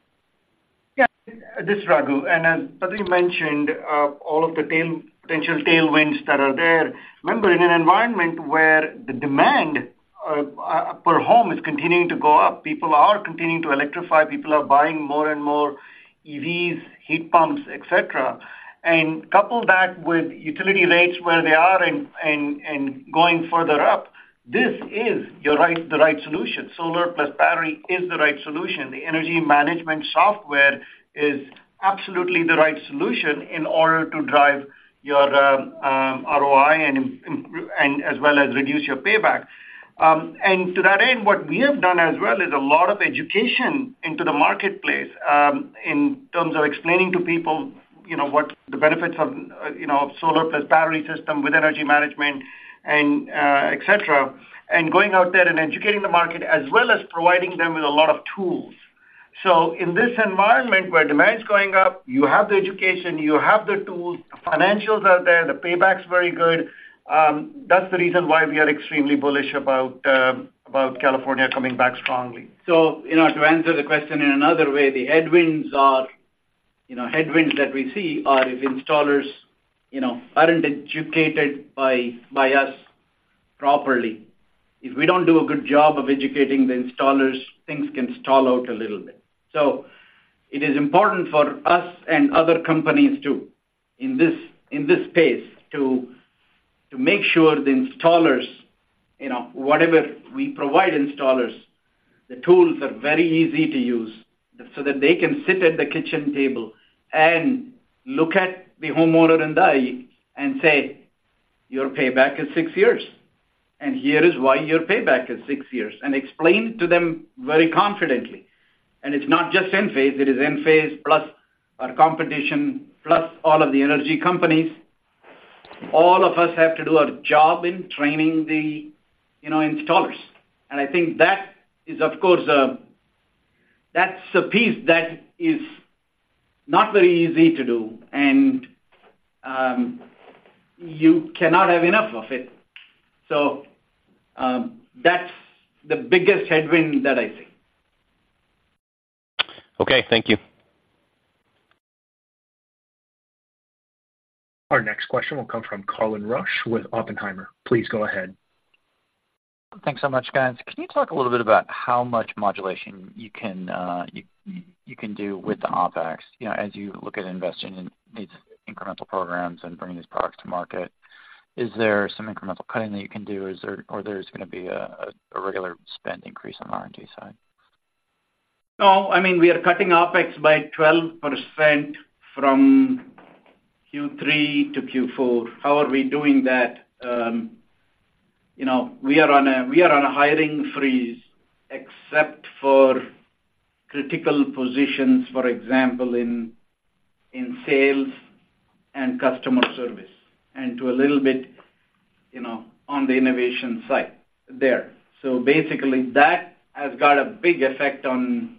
Yeah, this is Raghu. As Badri mentioned, all of the potential tailwinds that are there, remember, in an environment where the demand per home is continuing to go up, people are continuing to electrify, people are buying more and more- EVs, heat pumps, et cetera, and couple that with utility rates where they are, and going further up, this is the right solution. Solar plus battery is the right solution. The energy management software is absolutely the right solution in order to drive your ROI and as well as reduce your payback. And to that end, what we have done as well is a lot of education into the marketplace, in terms of explaining to people, you know, what the benefits of, you know, of solar plus battery system with energy management and et cetera, and going out there and educating the market, as well as providing them with a lot of tools. So in this environment where demand is going up, you have the education, you have the tools, the financials are there, the payback's very good. That's the reason why we are extremely bullish about California coming back strongly. So, you know, to answer the question in another way, the headwinds are, you know, headwinds that we see are if installers, you know, aren't educated by us properly. If we don't do a good job of educating the installers, things can stall out a little bit. So it is important for us and other companies, too, in this space, to make sure the installers, you know, whatever we provide installers, the tools are very easy to use so that they can sit at the kitchen table and look at the homeowner in the eye and say, "Your payback is six years, and here is why your payback is six years," and explain it to them very confidently. It's not just Enphase, it is Enphase, plus our competition, plus all of the energy companies. All of us have to do our job in training the, you know, installers. I think that is, of course, a—that's a piece that is not very easy to do, and you cannot have enough of it. That's the biggest headwind that I see. Okay, thank you. Our next question will come from Colin Rusch with Oppenheimer. Please go ahead. Thanks so much, guys. Can you talk a little bit about how much modulation you can do with the OpEx? You know, as you look at investing in these incremental programs and bringing these products to market, is there some incremental cutting that you can do, or there's gonna be a regular spend increase on the R&D side? No. I mean, we are cutting OpEx by 12% from Q3 to Q4. How are we doing that? You know, we are on a hiring freeze, except for critical positions, for example, in sales and customer service, and to a little bit, you know, on the innovation side there. So basically, that has got a big effect on,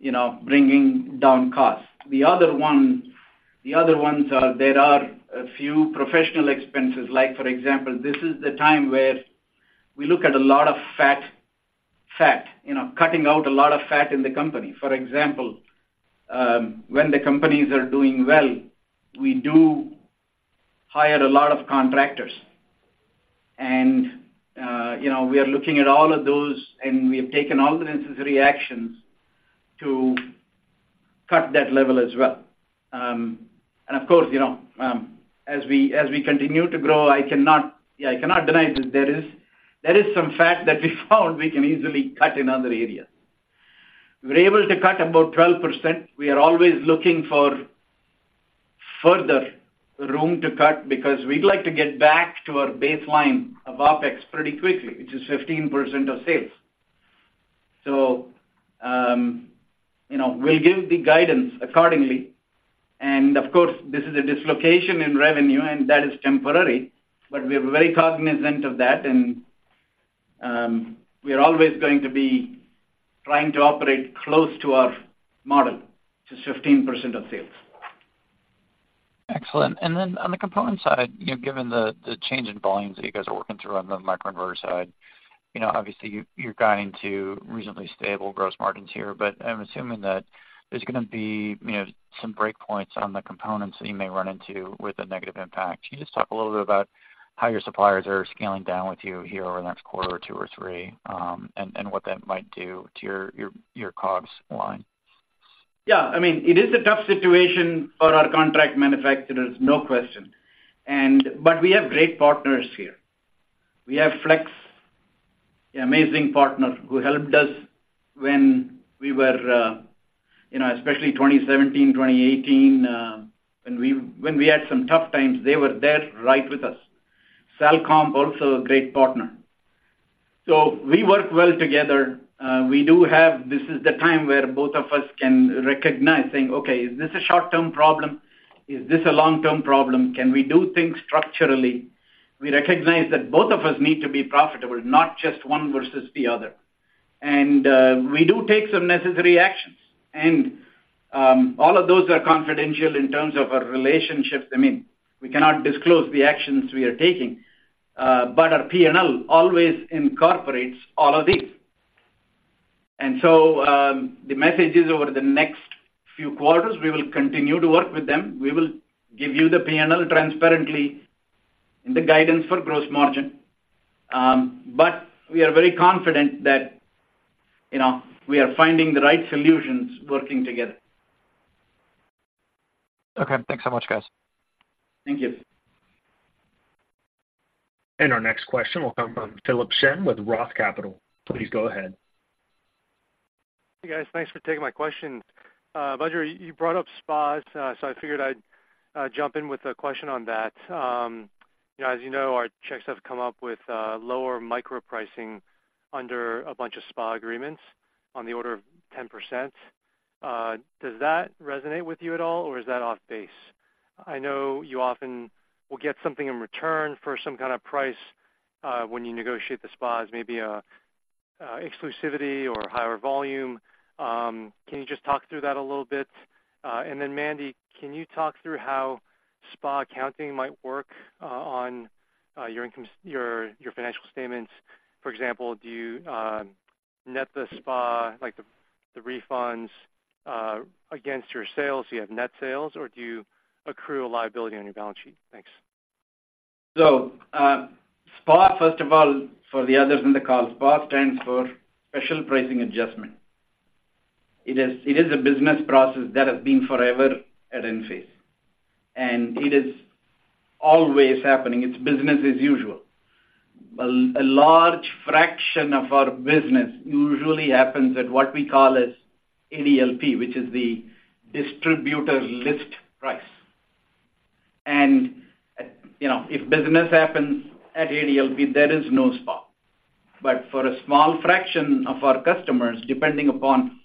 you know, bringing down costs. The other one, the other ones are, there are a few professional expenses, like, for example, this is the time where we look at a lot of fat, you know, cutting out a lot of fat in the company. For example, when the companies are doing well, we do hire a lot of contractors. And, you know, we are looking at all of those, and we have taken all the necessary actions to cut that level as well. And of course, you know, as we, as we continue to grow, I cannot, yeah, I cannot deny that there is some fat that we found we can easily cut in other areas. We're able to cut about 12%. We are always looking for further room to cut because we'd like to get back to our baseline of OpEx pretty quickly, which is 15% of sales. So, you know, we'll give the guidance accordingly. And of course, this is a dislocation in revenue, and that is temporary, but we are very cognizant of that, and we are always going to be trying to operate close to our model, which is 15% of sales. Excellent. And then on the component side, you know, given the change in volumes that you guys are working through on the microinverter side, you know, obviously, you're guiding to reasonably stable gross margins here, but I'm assuming that there's gonna be, you know, some breakpoints on the components that you may run into with a negative impact. Can you just talk a little bit about how your suppliers are scaling down with you here over the next quarter or two or three, and what that might do to your COGS line? Yeah. I mean, it is a tough situation for our contract manufacturers, no question. But we have great partners here. We have Flex, an amazing partner, who helped us when we were, you know, especially 2017, 2018, when we had some tough times, they were there right with us. Salcomp, also a great partner. So we work well together. We do have this is the time where both of us can recognize, saying: Okay, is this a short-term problem? Is this a long-term problem? Can we do things structurally? We recognize that both of us need to be profitable, not just one versus the other. And we do take some necessary actions, and all of those are confidential in terms of our relationships. I mean, we cannot disclose the actions we are taking, but our P&L always incorporates all of these. And so, the message is, over the next few quarters, we will continue to work with them. We will give you the P&L transparently in the guidance for gross margin. But we are very confident that, you know, we are finding the right solutions working together. Okay. Thanks so much, guys. Thank you. Our next question will come from Philip Shen with Roth Capital. Please go ahead. Hey, guys. Thanks for taking my question. Badri, you brought up SPAs, so I figured I'd jump in with a question on that. You know, as you know, our checks have come up with lower micro pricing under a bunch of SPA agreements on the order of 10%. Does that resonate with you at all, or is that off base? I know you often will get something in return for some kind of price when you negotiate the SPAs, maybe an exclusivity or higher volume. Can you just talk through that a little bit? And then, Mandy, can you talk through how SPA accounting might work on your income, your financial statements? For example, do you net the SPA, like the refunds, against your sales? Do you have net sales, or do you accrue a liability on your balance sheet? Thanks. So, SPA, first of all, for the others in the call, SPA stands for Special Pricing Adjustment. It is a business process that has been forever at Enphase, and it is always happening. It's business as usual. A large fraction of our business usually happens at what we call as ADLP, which is the Distributor List Price. And, you know, if business happens at ADLP, there is no SPA. But for a small fraction of our customers, depending upon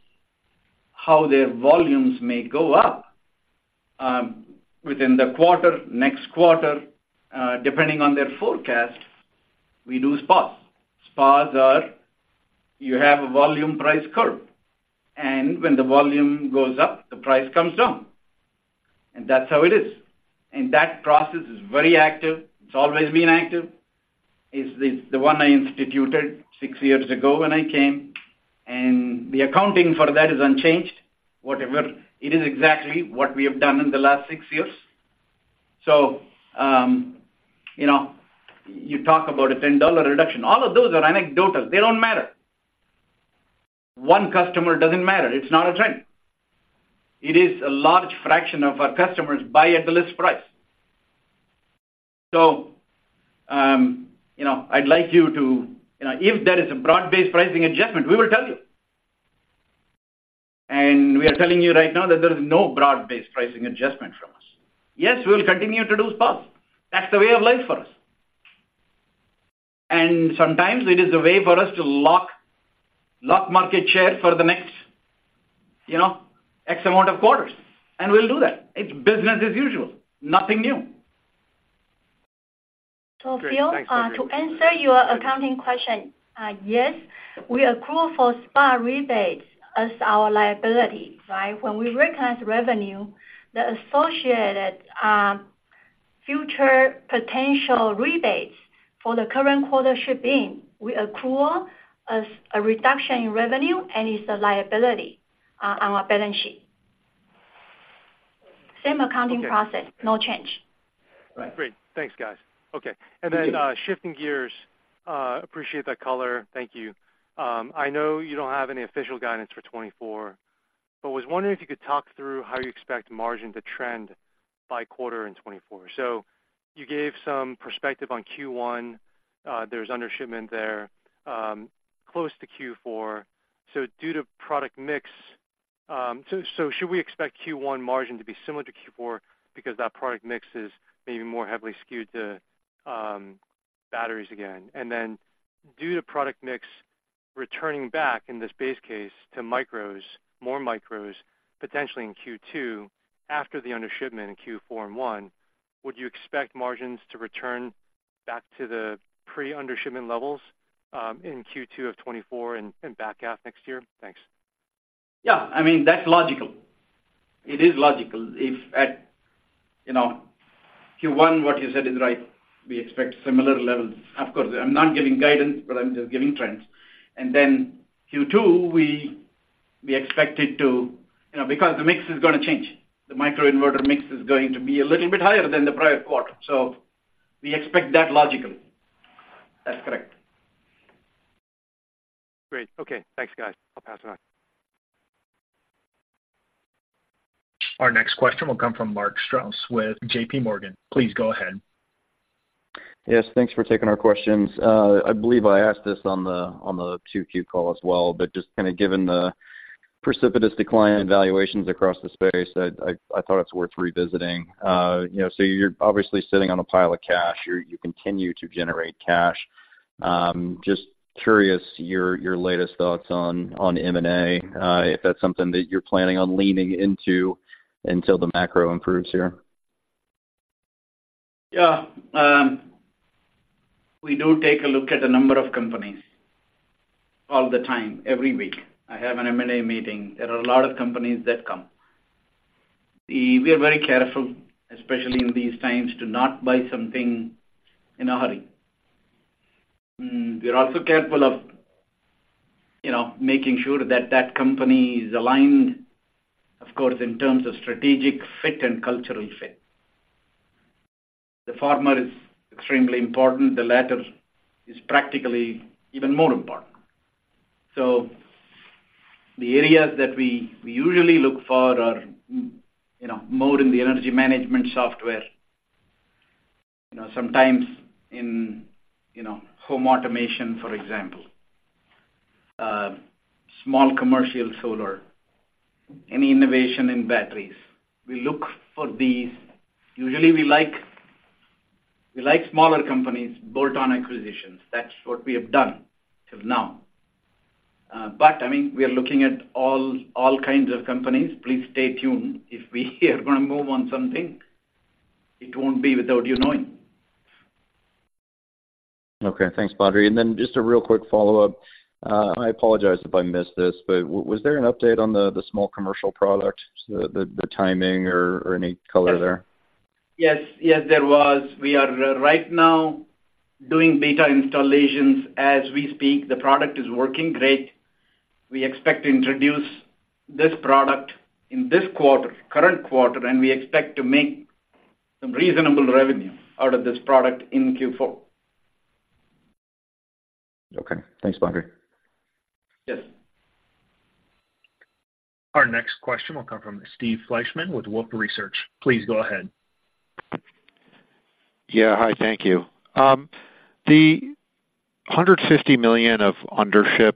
how their volumes may go up within the quarter, next quarter, depending on their forecast, we do SPAs. SPAs are, you have a volume price curve, and when the volume goes up, the price comes down. And that's how it is. And that process is very active. It's always been active. It's the one I instituted six years ago when I came, and the accounting for that is unchanged. Whatever. It is exactly what we have done in the last six years. So, you know, you talk about a $10 reduction. All of those are anecdotal. They don't matter. One customer doesn't matter. It's not a trend. It is a large fraction of our customers buy at the list price. So, you know, I'd like you to, you know, if there is a broad-based pricing adjustment, we will tell you. And we are telling you right now that there is no broad-based pricing adjustment from us. Yes, we'll continue to do SPAs. That's the way of life for us. And sometimes it is a way for us to lock market share for the next, you know, X amount of quarters, and we'll do that. It's business as usual, nothing new. Great. Thanks. So, Phil, to answer your accounting question, yes, we accrue for SPA rebates as our liability, right? When we recognize revenue, the associated future potential rebates for the current quarter shipping, we accrue as a reduction in revenue, and it's a liability on our balance sheet. Same accounting process, no change. Great. Thanks, guys. Okay. Mm-hmm. Shifting gears, appreciate that color. Thank you. I know you don't have any official guidance for 2024, but was wondering if you could talk through how you expect margin to trend by quarter in 2024. You gave some perspective on Q1. There's undershipment there, close to Q4 due to product mix. Should we expect Q1 margin to be similar to Q4 because that product mix is maybe more heavily skewed to batteries again? And then due to product mix returning back in this base case to micros, more micros, potentially in Q2, after the undershipment in Q4 and 1, would you expect margins to return back to the pre-undershipment levels in Q2 of 2024 and back half next year? Thanks. Yeah. I mean, that's logical. It is logical. If at, you know, Q1, what you said is right, we expect similar levels. Of course, I'm not giving guidance, but I'm just giving trends. And then Q2, we expect it to, you know, because the mix is gonna change. The microinverter mix is going to be a little bit higher than the prior quarter, so we expect that logically. That's correct. Great. Okay. Thanks, guys. I'll pass it on. Our next question will come from Mark Strouse with JPMorgan. Please go ahead. Yes, thanks for taking our questions. I believe I asked this on the Q2 call as well, but just kind of given the precipitous decline in valuations across the space, I thought it's worth revisiting. You know, so you're obviously sitting on a pile of cash. You continue to generate cash. Just curious, your latest thoughts on M&A, if that's something that you're planning on leaning into until the macro improves here. Yeah. We do take a look at a number of companies all the time, every week. I have an M&A meeting. There are a lot of companies that come. We, we are very careful, especially in these times, to not buy something in a hurry. We're also careful of, you know, making sure that that company is aligned, of course, in terms of strategic fit and cultural fit. The former is extremely important, the latter is practically even more important. So the areas that we, we usually look for are, you know, more in the energy management software. You know, sometimes in, you know, home automation, for example, small commercial solar, any innovation in batteries, we look for these. Usually, we like, we like smaller companies, bolt-on acquisitions. That's what we have done till now. But I mean, we are looking at all kinds of companies. Please stay tuned. If we are gonna move on something, it won't be without you knowing. Okay, thanks, Badri. And then just a real quick follow-up. I apologize if I missed this, but was there an update on the small commercial product, the timing or any color there? Yes. Yes, there was. We are right now doing beta installations as we speak. The product is working great. We expect to introduce this product in this quarter, current quarter, and we expect to make some reasonable revenue out of this product in Q4. Okay. Thanks, Badri. Yes. Our next question will come from Steve Fleishman with Wolfe Research. Please go ahead. Yeah. Hi, thank you. The $150 million of undership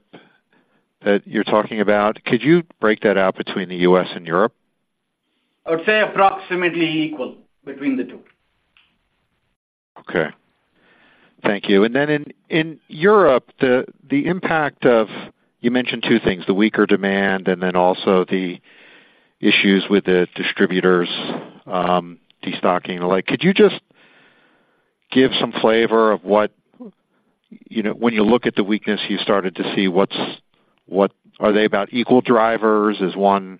that you're talking about, could you break that out between the U.S. and Europe? I would say approximately equal between the two. Okay. Thank you. And then in Europe, the impact of, you mentioned two things: the weaker demand, and then also the issues with the distributors, destocking. Like, could you just give some flavor of what, you know, when you look at the weakness you started to see, what are they about equal drivers? Is one,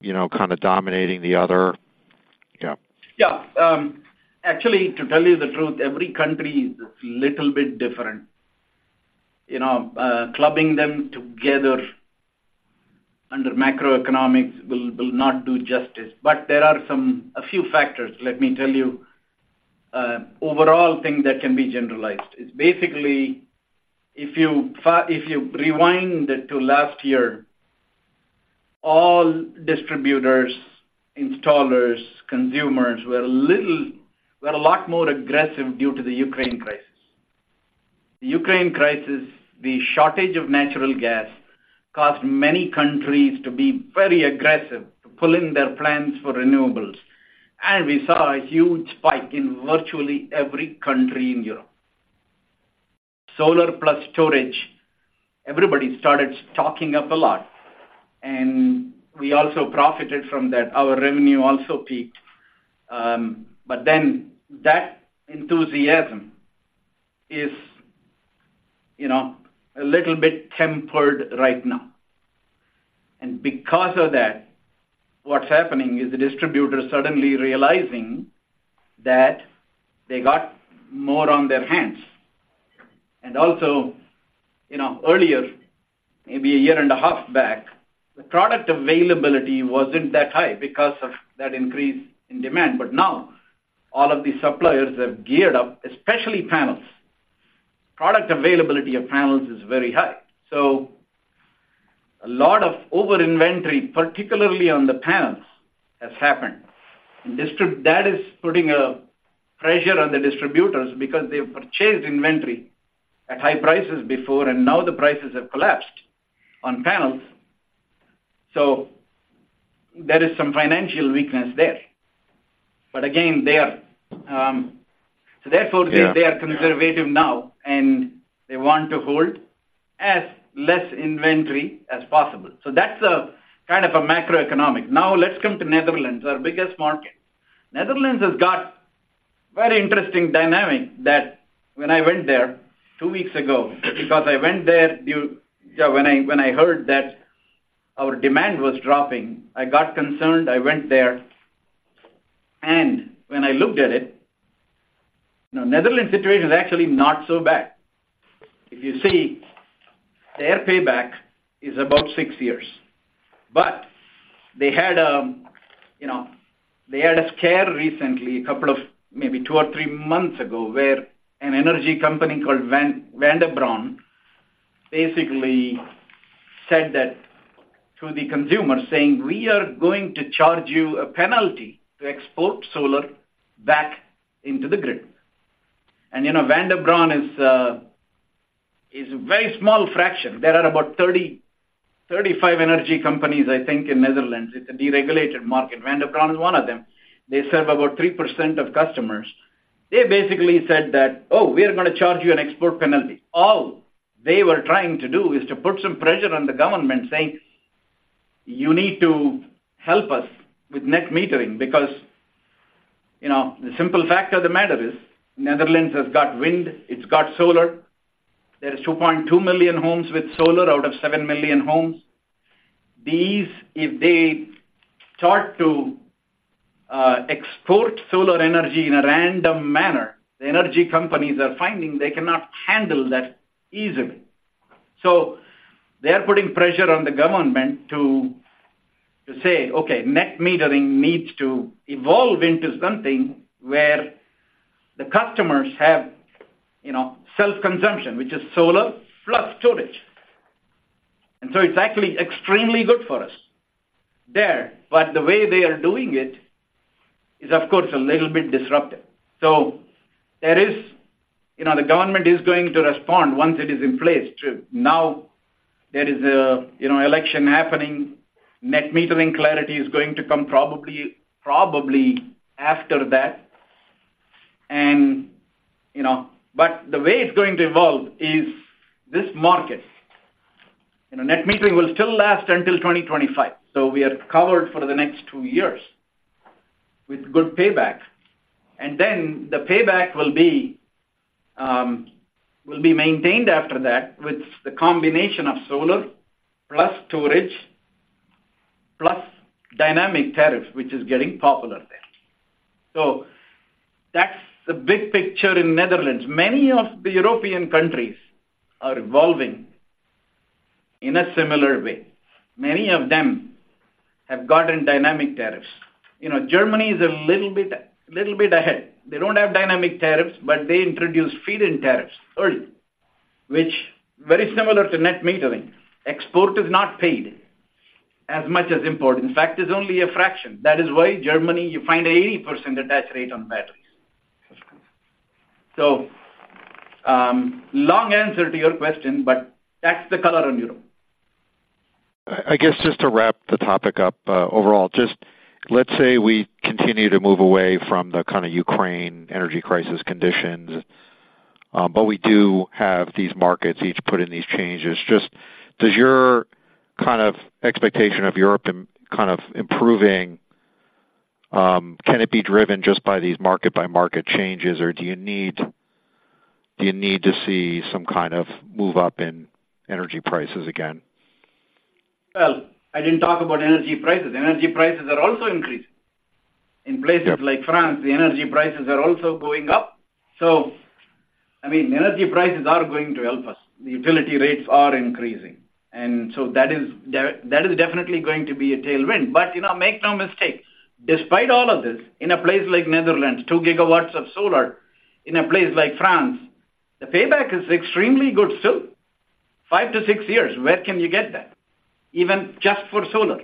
you know, kind of dominating the other? Yeah. Yeah. Actually, to tell you the truth, every country is a little bit different. You know, clubbing them together under macroeconomics will, will not do justice. But there are a few factors, let me tell you, overall things that can be generalized. It's basically, if you rewind it to last year, all distributors, installers, consumers, were a lot more aggressive due to the Ukraine crisis. The Ukraine crisis, the shortage of natural gas, caused many countries to be very aggressive to pull in their plans for renewables, and we saw a huge spike in virtually every country in Europe. Solar plus storage, everybody started stocking up a lot, and we also profited from that. Our revenue also peaked. But then that enthusiasm is, you know, a little bit tempered right now. And because of that, what's happening is the distributors suddenly realizing that they got more on their hands. And also, you know, earlier, maybe a year and a half back, the product availability wasn't that high because of that increase in demand. But now, all of the suppliers have geared up, especially panels. Product availability of panels is very high. So a lot of over-inventory, particularly on the panels, has happened. That is putting a pressure on the distributors because they've purchased inventory at high prices before, and now the prices have collapsed on panels. So there is some financial weakness there. But again, they are, so therefore, they- Yeah. They are conservative now, and they want to hold as less inventory as possible. That's a, kind of a macroeconomic. Now, let's come to Netherlands, our biggest market. Netherlands has got very interesting dynamic that when I went there two weeks ago, because I went there due-- Yeah, when I, when I heard that our demand was dropping, I got concerned, I went there. When I looked at it, you know, Netherlands situation is actually not so bad. If you see, their payback is about six years. They had a, you know, they had a scare recently, a couple of maybe two or three months ago, where an energy company called Vandebron basically said that to the consumer, saying, "We are going to charge you a penalty to export solar back into the grid." You know, Vandebron is a, is a very small fraction. There are about 30 to 35 energy companies, I think, in Netherlands. It's a deregulated market. Vandebron is one of them. They serve about 3% of customers. They basically said that, "Oh, we are gonna charge you an export penalty." All they were trying to do is to put some pressure on the government saying, "You need to help us with net metering." Because, you know, the simple fact of the matter is, Netherlands has got wind, it's got solar. There is 2.2 million homes with solar out of 7 million homes, these, if they start to, export solar energy in a random manner, the energy companies are finding they cannot handle that easily. So they are putting pressure on the government to say: Okay, net metering needs to evolve into something where the customers have, you know, self-consumption, which is solar plus storage. It's actually extremely good for us there, but the way they are doing it is, of course, a little bit disruptive. So there is, you know, the government is going to respond once it is in place to now there is a, you know, election happening. Net metering clarity is going to come probably, probably after that. And, you know, but the way it's going to evolve is this market. You know, net metering will still last until 2025, so we are covered for the next two years with good payback. And then the payback will be, will be maintained after that, with the combination of solar, plus storage, plus dynamic tariff, which is getting popular there. So that's the big picture in Netherlands. Many of the European countries are evolving in a similar way. Many of them have gotten dynamic tariffs. You know, Germany is a little bit, little bit ahead. They don't have dynamic tariffs, but they introduced feed-in tariffs early, which very similar to net metering. Export is not paid as much as import. In fact, it's only a fraction. That is why Germany, you find 80% attach rate on batteries. So, long answer to your question, but that's the color on Europe. I guess, just to wrap the topic up, overall, just let's say we continue to move away from the kind of Ukraine energy crisis conditions, but we do have these markets each put in these changes. Just does your kind of expectation of Europe in kind of improving, can it be driven just by these market-by-market changes, or do you need, do you need to see some kind of move up in energy prices again? Well, I didn't talk about energy prices. Energy prices are also increasing. In places like France, the energy prices are also going up. So I mean, energy prices are going to help us. The utility rates are increasing, and so that is definitely going to be a tailwind. But, you know, make no mistake, despite all of this, in a place like Netherlands, 2 gigawatts of solar, in a place like France, the payback is extremely good still. five to six years, where can you get that? Even just for solar,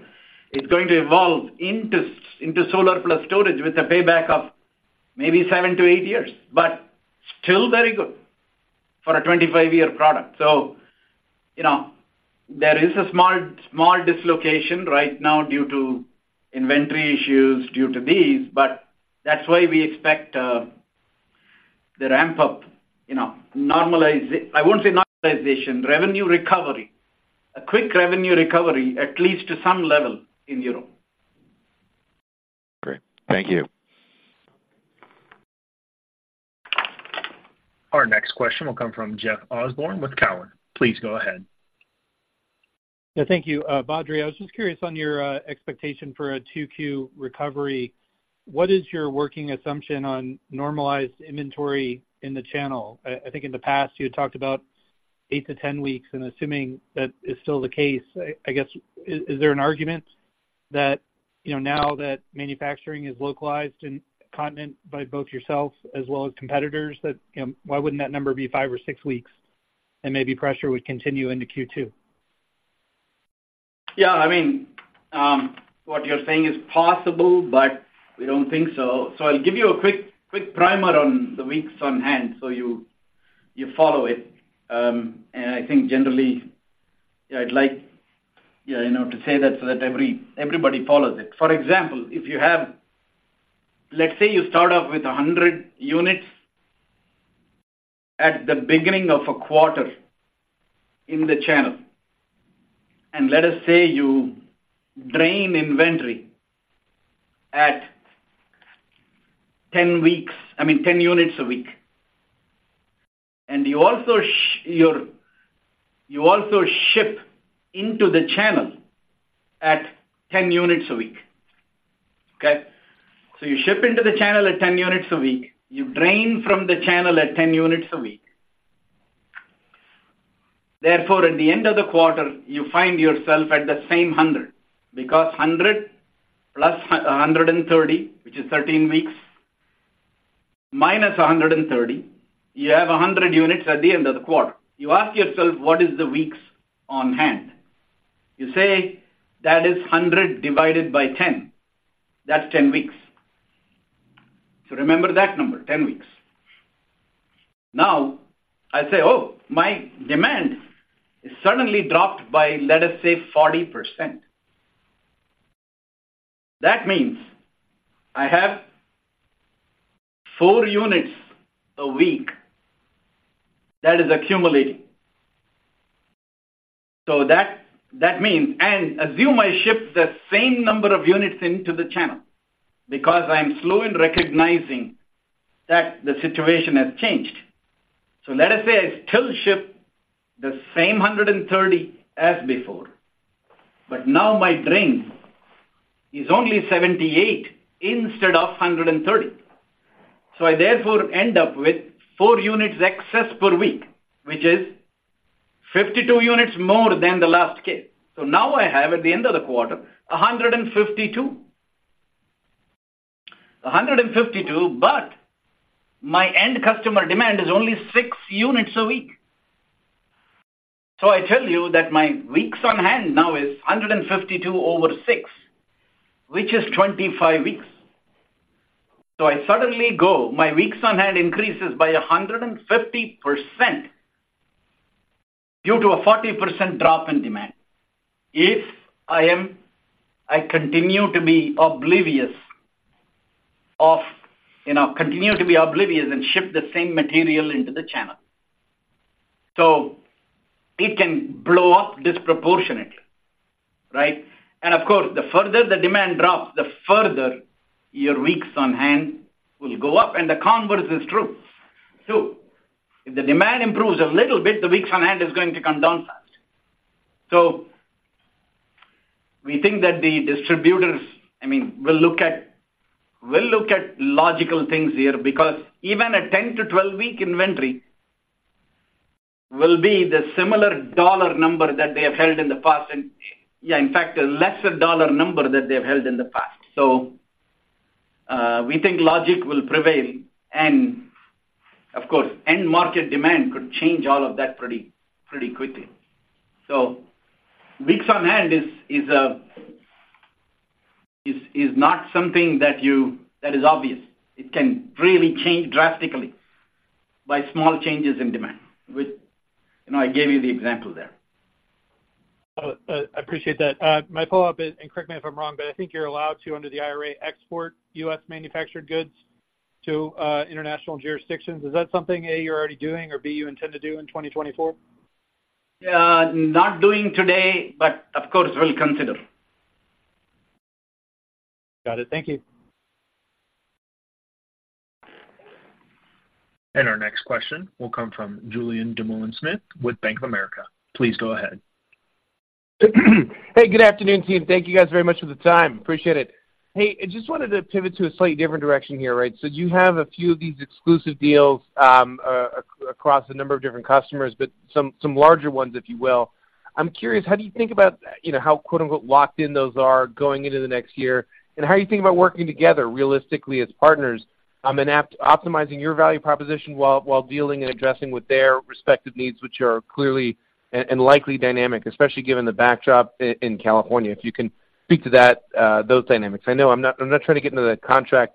it's going to evolve into solar plus storage, with a payback of maybe seven to eight years, but still very good for a 25-year product. So, you know, there is a small, small dislocation right now due to inventory issues, due to these, but that's why we expect the ramp up, you know, to normalize I won't say normalization, revenue recovery. A quick revenue recovery, at least to some level in Europe. Great. Thank you. Our next question will come from Jeffrey Osborne with Cowen. Please go ahead. Yeah, thank you. Badri, I was just curious on your expectation for a 2Q recovery. What is your working assumption on normalized inventory in the channel? I, I think in the past, you had talked about 8 to 10 weeks, and assuming that is still the case, I, I guess, is, is there an argument that, you know, now that manufacturing is localized in continent by both yourself as well as competitors, that, you know, why wouldn't that number be five or six weeks, and maybe pressure would continue into Q2? Yeah, I mean, what you're saying is possible, but we don't think so. I'll give you a quick, quick primer on the weeks on hand so you, you follow it. I think generally, I'd like, yeah, you know, to say that so that everybody follows it. For example, if you have, let's say you start off with 100 units at the beginning of a quarter in the channel, and let us say you drain inventory at 10 weeks, I mean, 10 units a week, and you also, you also ship into the channel at 10 units a week. Okay? You ship into the channel at 10 units a week, you drain from the channel at 10 units a week. Therefore, at the end of the quarter, you find yourself at the same 100, because 100 plus 130, which is 13 weeks, minus 130, you have 100 units at the end of the quarter. You ask yourself, what is the weeks on hand? You say, that is 100 divided by 10. That's 10 weeks. So remember that number, 10 weeks. Now, I say: Oh, my demand is suddenly dropped by, let us say, 40%. That means I have four units a week that is accumulating. So that means, and assume I ship the same number of units into the channel, because I am slow in recognizing that the situation has changed. So let us say I still ship the same 130 as before, but now my drain is only 78 instead of 130. So I therefore end up with four units excess per week, which is 52 units more than the last case. So now I have, at the end of the quarter, 152. 152, but my end customer demand is only six units a week. So I tell you that my weeks on hand now is 152 over six, which is 25 weeks. So I suddenly go, my weeks on hand increases by 150% due to a 40% drop in demand. If I am, I continue to be oblivious of, you know, continue to be oblivious and ship the same material into the channel. So it can blow up disproportionately, right? And of course, the further the demand drops, the further your weeks on hand will go up. And the converse is true, too. If the demand improves a little bit, the weeks on hand is going to come down fast. So we think that the distributors, I mean, will look at, will look at logical things here, because even a 10 to 12 week inventory will be the similar dollar number that they have held in the past. And, yeah, in fact, a lesser dollar number that they have held in the past. So, we think logic will prevail, and of course, end market demand could change all of that pretty, pretty quickly. So weeks on hand is not something that you that is obvious. It can really change drastically by small changes in demand, which, you know, I gave you the example there. I appreciate that. My follow-up is, and correct me if I'm wrong, but I think you're allowed to, under the IRA, export U.S. manufactured goods to, international jurisdictions. Is that something, A, you're already doing, or B, you intend to do in 2024? Not doing today, but of course, we'll consider. Got it. Thank you. Our next question will come from Julien Dumoulin-Smith with Bank of America. Please go ahead. Hey, good afternoon, team. Thank you guys very much for the time. Appreciate it. Hey, I just wanted to pivot to a slightly different direction here, right? So you have a few of these exclusive deals, across a number of different customers, but some, some larger ones, if you will. I'm curious, how do you think about, you know, how quote-unquote, "locked in" those are going into the next year? And how are you thinking about working together realistically as partners, and optimizing your value proposition while, while dealing and addressing with their respective needs, which are clearly and, and likely dynamic, especially given the backdrop in California. If you can speak to that, those dynamics. I know I'm not trying to get into the contract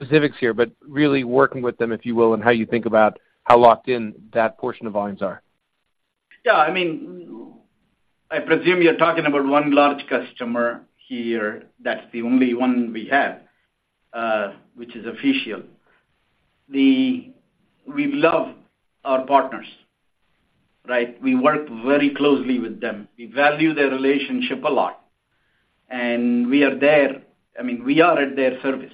specifics here, but really working with them, if you will, and how you think about how locked in that portion of volumes are. Yeah, I mean, I presume you're talking about one large customer here. That's the only one we have, which is official. We love our partners, right? We work very closely with them. We value their relationship a lot, and we are there. I mean, we are at their service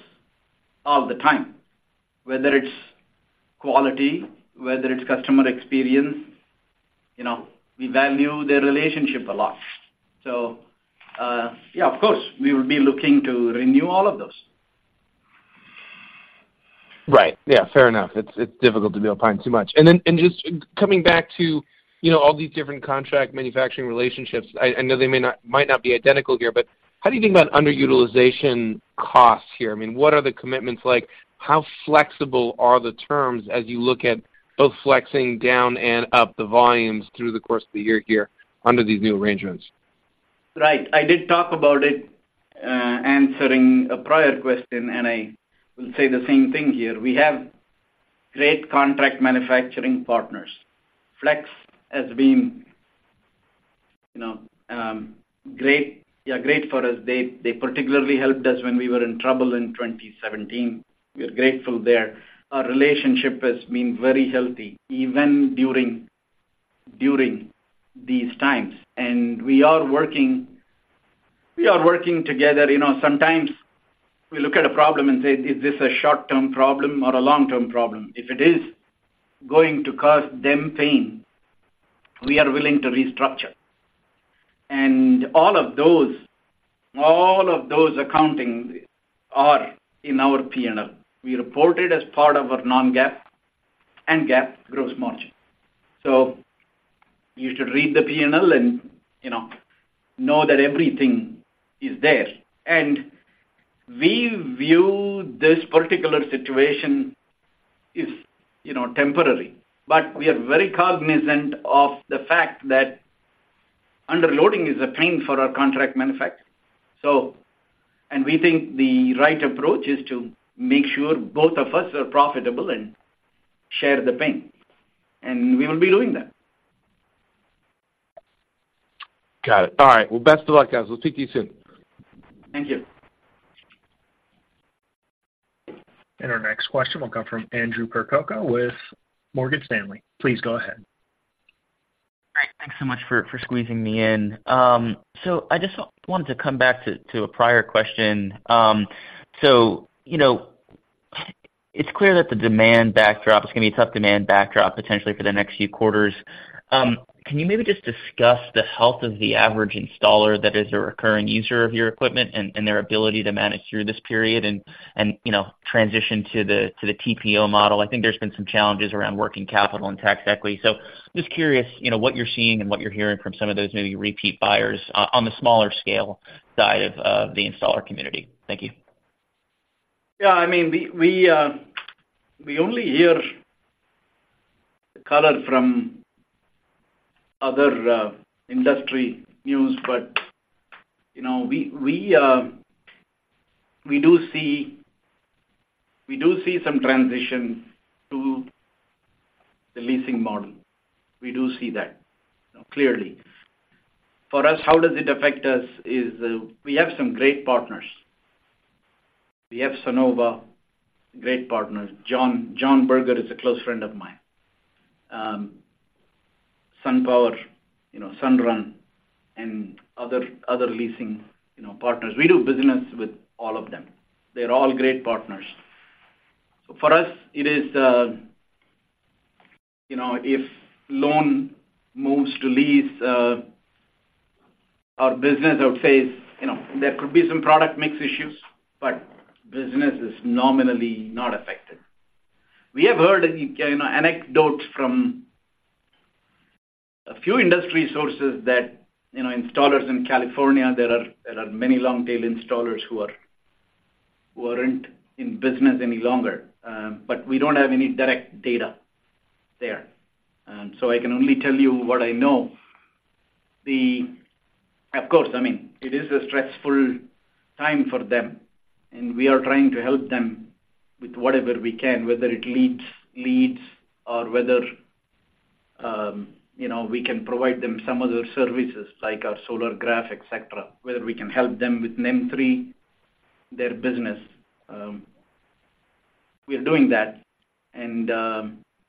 all the time, whether it's quality, whether it's customer experience, you know, we value their relationship a lot. So, yeah, of course, we will be looking to renew all of those. Right. Yeah, fair enough. It's, it's difficult to build upon too much. And then, and just coming back to, you know, all these different contract manufacturing relationships, I, I know they may not, might not be identical here, but how do you think about underutilization costs here? I mean, what are the commitments like? How flexible are the terms as you look at both flexing down and up the volumes through the course of the year here under these new arrangements? Right. I did talk about it, answering a prior question, and I will say the same thing here. We have great contract manufacturing partners. Flex has been, you know, great, yeah, great for us. They, they particularly helped us when we were in trouble in 2017. We are grateful there. Our relationship has been very healthy, even during, during these times. And we are working, we are working together. You know, sometimes we look at a problem and say: Is this a short-term problem or a long-term problem? If it is going to cause them pain, we are willing to restructure. And all of those, all of those accounting are in our P&L. We report it as part of our non-GAAP and GAAP gross margin. So you should read the P&L and, you know, know that everything is there. We view this particular situation as, you know, temporary, but we are very cognizant of the fact that underloading is a pain for our contract manufacturer. We think the right approach is to make sure both of us are profitable and share the pain, and we will be doing that. Got it. All right. Well, best of luck, guys. We'll speak to you soon. Thank you. Our next question will come from Andrew Percoco with Morgan Stanley. Please go ahead. Thanks so much for squeezing me in. I just wanted to come back to a prior question. You know, it's clear that the demand backdrop, it's going to be a tough demand backdrop, potentially for the next few quarters. Can you maybe just discuss the health of the average installer that is a recurring user of your equipment and their ability to manage through this period and, you know, transition to the TPO model? I think there's been some challenges around working capital and tax equity. Just curious, you know, what you're seeing and what you're hearing from some of those maybe repeat buyers on the smaller scale side of the installer community. Thank you. Yeah, I mean, we only hear the color from other industry news. But, you know, we do see some transition to the leasing model. We do see that, clearly. For us, how does it affect us, is we have some great partners. We have Sunnova, great partners. John Berger is a close friend of mine. SunPower, you know, Sunrun, and other leasing partners. We do business with all of them. They're all great partners. So for us, it is, you know, if loan moves to lease, our business, I would say, you know, there could be some product mix issues, but business is nominally not affected. We have heard, you know, anecdotes from a few industry sources that, you know, installers in California, there are many long tail installers who aren't in business any longer, but we don't have any direct data there. So I can only tell you what I know. Of course, I mean, it is a stressful time for them, and we are trying to help them with whatever we can, whether it leads or whether, you know, we can provide them some other services like our Solagraf, et cetera. Whether we can help them with NEM 3.0, their business, we are doing that, and,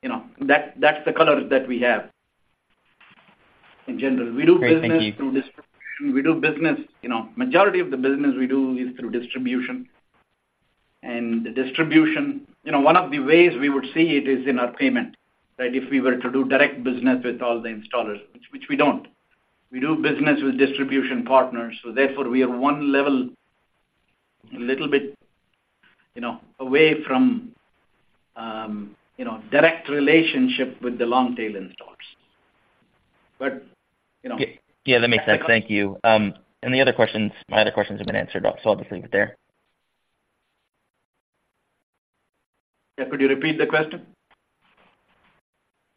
you know, that, that's the color that we have in general. Great. Thank you. We do business through distribution. We do business. You know, majority of the business we do is through distribution. And the distribution, you know, one of the ways we would see it is in our payment, right? If we were to do direct business with all the installers, which we don't. We do business with distribution partners, so therefore, we are one level, a little bit, you know, away from, you know, direct relationship with the long tail installers. But, you know- Yeah, that makes sense. Thank you. The other questions, my other questions have been answered, so I'll just leave it there. Yeah, could you repeat the question?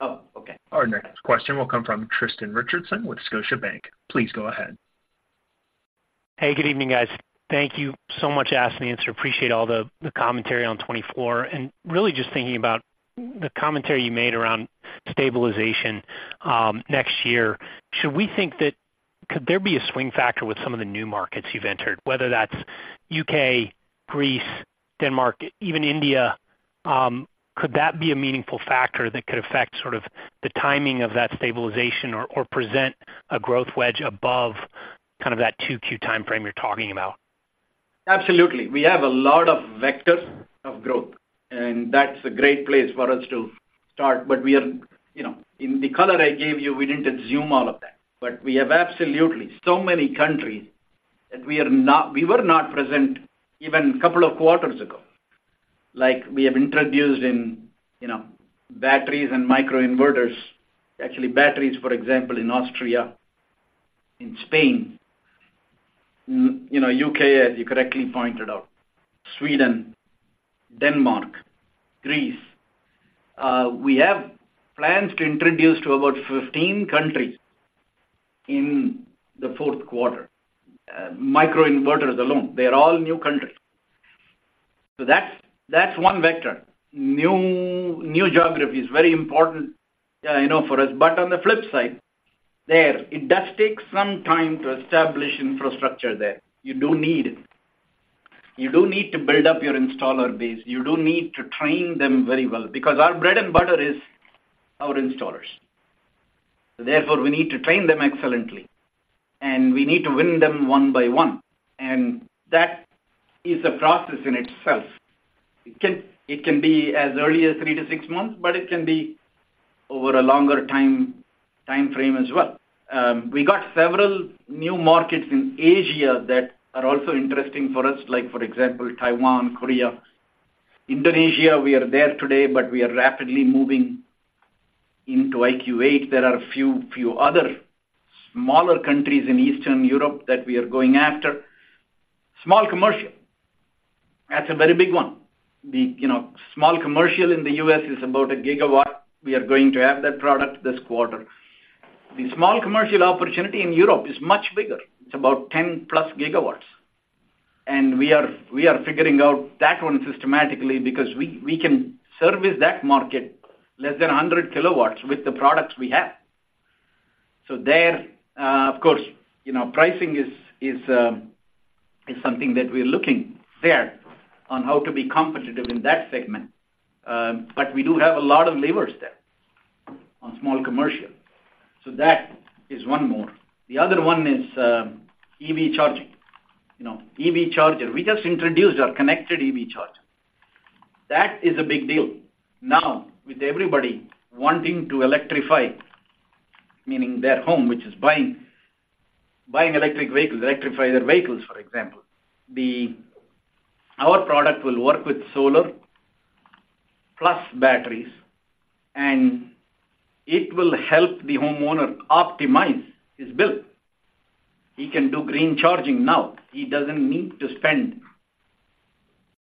Oh, okay. Our next question will come from Tristan Richardson with Scotiabank. Please go ahead. Hey, good evening, guys. Thank you so much, Mandy and Zach. Appreciate all the commentary on 2024. And really just thinking about the commentary you made around stabilization next year. Should we think that, could there be a swing factor with some of the new markets you've entered, whether that's U.K., Greece, Denmark, even India? Could that be a meaningful factor that could affect sort of the timing of that stabilization or present a growth wedge above kind of that 2Q timeframe you're talking about? Absolutely. We have a lot of vectors of growth, and that's a great place for us to start. But we are, you know, in the color I gave you, we didn't assume all of that. But we have absolutely so many countries that we are not, we were not present even a couple of quarters ago. Like, we have introduced in, you know, batteries and microinverters, actually, batteries, for example, in Austria, in Spain, you know, U.K., as you correctly pointed out, Sweden, Denmark, Greece. We have plans to introduce to about 15 countries in the Q4, microinverters alone. They are all new countries. So that's, that's one vector. New, new geographies, very important, you know, for us. But on the flip side, there, it does take some time to establish infrastructure there. You do need, you do need to build up your installer base. You do need to train them very well, because our bread and butter is our installers. So therefore, we need to train them excellently, and we need to win them one by one, and that is a process in itself. It can be as early as three to six months, but it can be over a longer time frame as well. We got several new markets in Asia that are also interesting for us, like, for example, Taiwan, Korea. Indonesia, we are there today, but we are rapidly moving into IQ8. There are a few other smaller countries in Eastern Europe that we are going after. Small commercial, that's a very big one. You know, small commercial in the US is about a gigawatt. We are going to have that product this quarter. The small commercial opportunity in Europe is much bigger. It's about 10+ gigawatts, and we are figuring out that one systematically because we can service that market less than 100 kilowatts with the products we have. So there, of course, you know, pricing is. It's something that we're looking there on how to be competitive in that segment. But we do have a lot of levers there on small commercial. So that is one more. The other one is EV charging. You know, EV charger. We just introduced our connected EV charger. That is a big deal. Now, with everybody wanting to electrify, meaning their home, which is buying, buying electric vehicles, electrify their vehicles, for example, our product will work with solar, plus batteries, and it will help the homeowner optimize his bill. He can do green charging now. He doesn't need to spend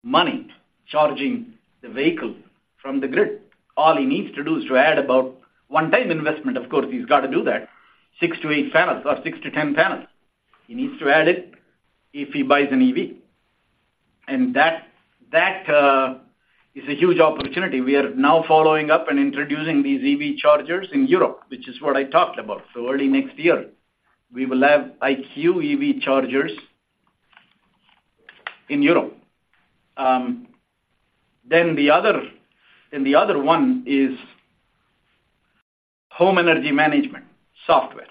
money charging the vehicle from the grid. All he needs to do is to add about one-time investment. Of course, he's got to do that. six to eight panels or 6 to 10 panels. He needs to add it if he buys an EV. That is a huge opportunity. We are now following up and introducing these EV chargers in Europe, which is what I talked about. Early next year, we will have IQ EV chargers in Europe. The other one is home energy management software,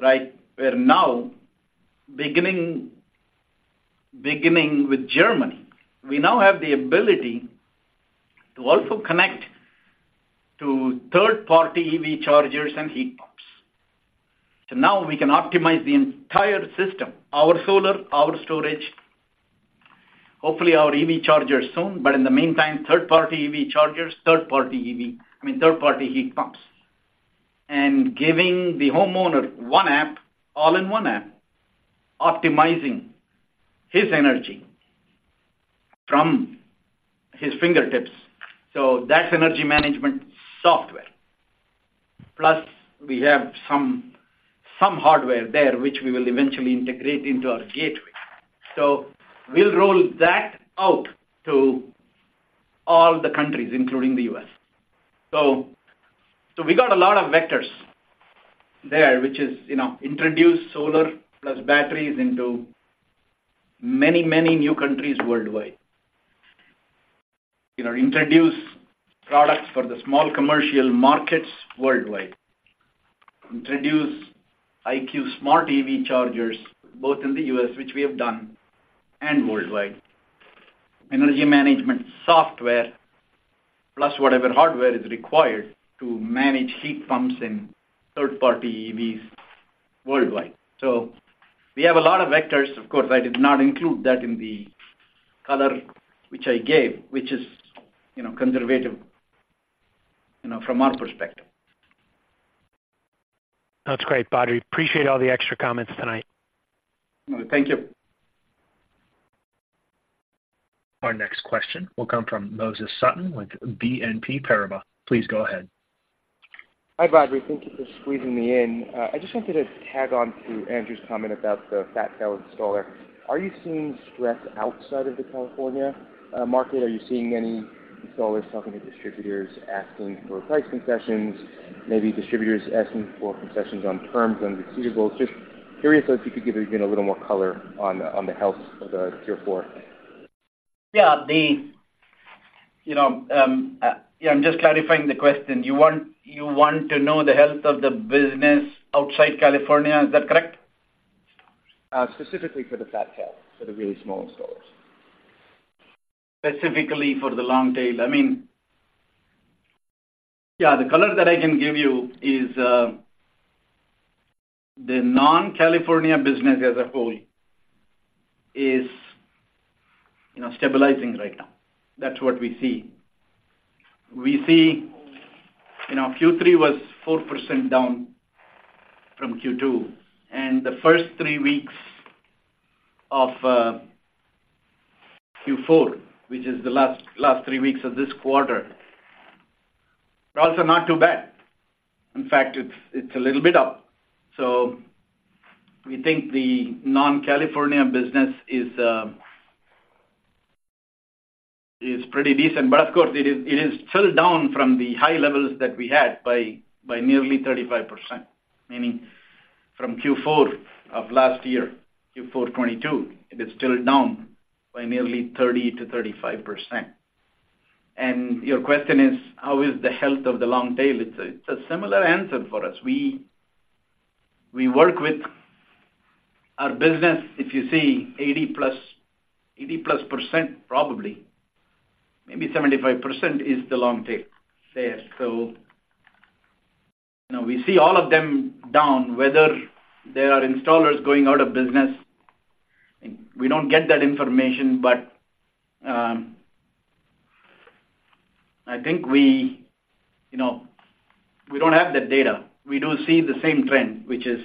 right? We're now, beginning with Germany, we now have the ability to also connect to third-party EV chargers and heat pumps. So now we can optimize the entire system, our solar, our storage, hopefully, our EV chargers soon, but in the meantime, third-party EV chargers, third-party EV, I mean, third-party heat pumps. And giving the homeowner one app, all-in-one app, optimizing his energy from his fingertips. So that's energy management software. Plus, we have some hardware there, which we will eventually integrate into our gateway. So we'll roll that out to all the countries, including the U.S. So we got a lot of vectors there, which is, you know, introduce solar plus batteries into many, many new countries worldwide. You know, introduce products for the small commercial markets worldwide. Introduce IQ Smart EV chargers, both in the U.S., which we have done, and worldwide. Energy management software, plus whatever hardware is required to manage heat pumps and third-party EVs worldwide. So we have a lot of vectors. Of course, I did not include that in the color, which I gave, which is, you know, conservative, you know, from our perspective. That's great, Badri. Appreciate all the extra comments tonight. Thank you. Our next question will come from Moses Sutton with BNP Paribas. Please go ahead. Hi, Badri. Thank you for squeezing me in. I just wanted to tag on to Andrew's comment about the fat tail installer. Are you seeing stress outside of the California market? Are you seeing any installers talking to distributors, asking for price concessions, maybe distributors asking for concessions on terms and receivables? Just curious if you could give again, a little more color on the health of the tier four. Yeah, you know, I'm just clarifying the question. You want to know the health of the business outside California, is that correct? Specifically for the fat tail, for the really small installers. Specifically for the long tail. I mean, yeah, the color that I can give you is, the non-California business as a whole is, you know, stabilizing right now. That's what we see. We see, you know, Q3 was 4% down from Q2, and the first three weeks of, Q4, which is the last three weeks of this quarter, are also not too bad. In fact, it's a little bit up. So we think the non-California business is, is pretty decent, but of course, it is still down from the high levels that we had by nearly 35%, meaning from Q4 of last year, Q4 2022, it is still down by nearly 30% to 35%. And your question is, how is the health of the long tail? It's a similar answer for us. We work with our business. If you see 80+, 80+% probably, maybe 75% is the long tail there. So, you know, we see all of them down, whether there are installers going out of business, we don't get that information, but, I think we, you know, we don't have the data. We do see the same trend, which is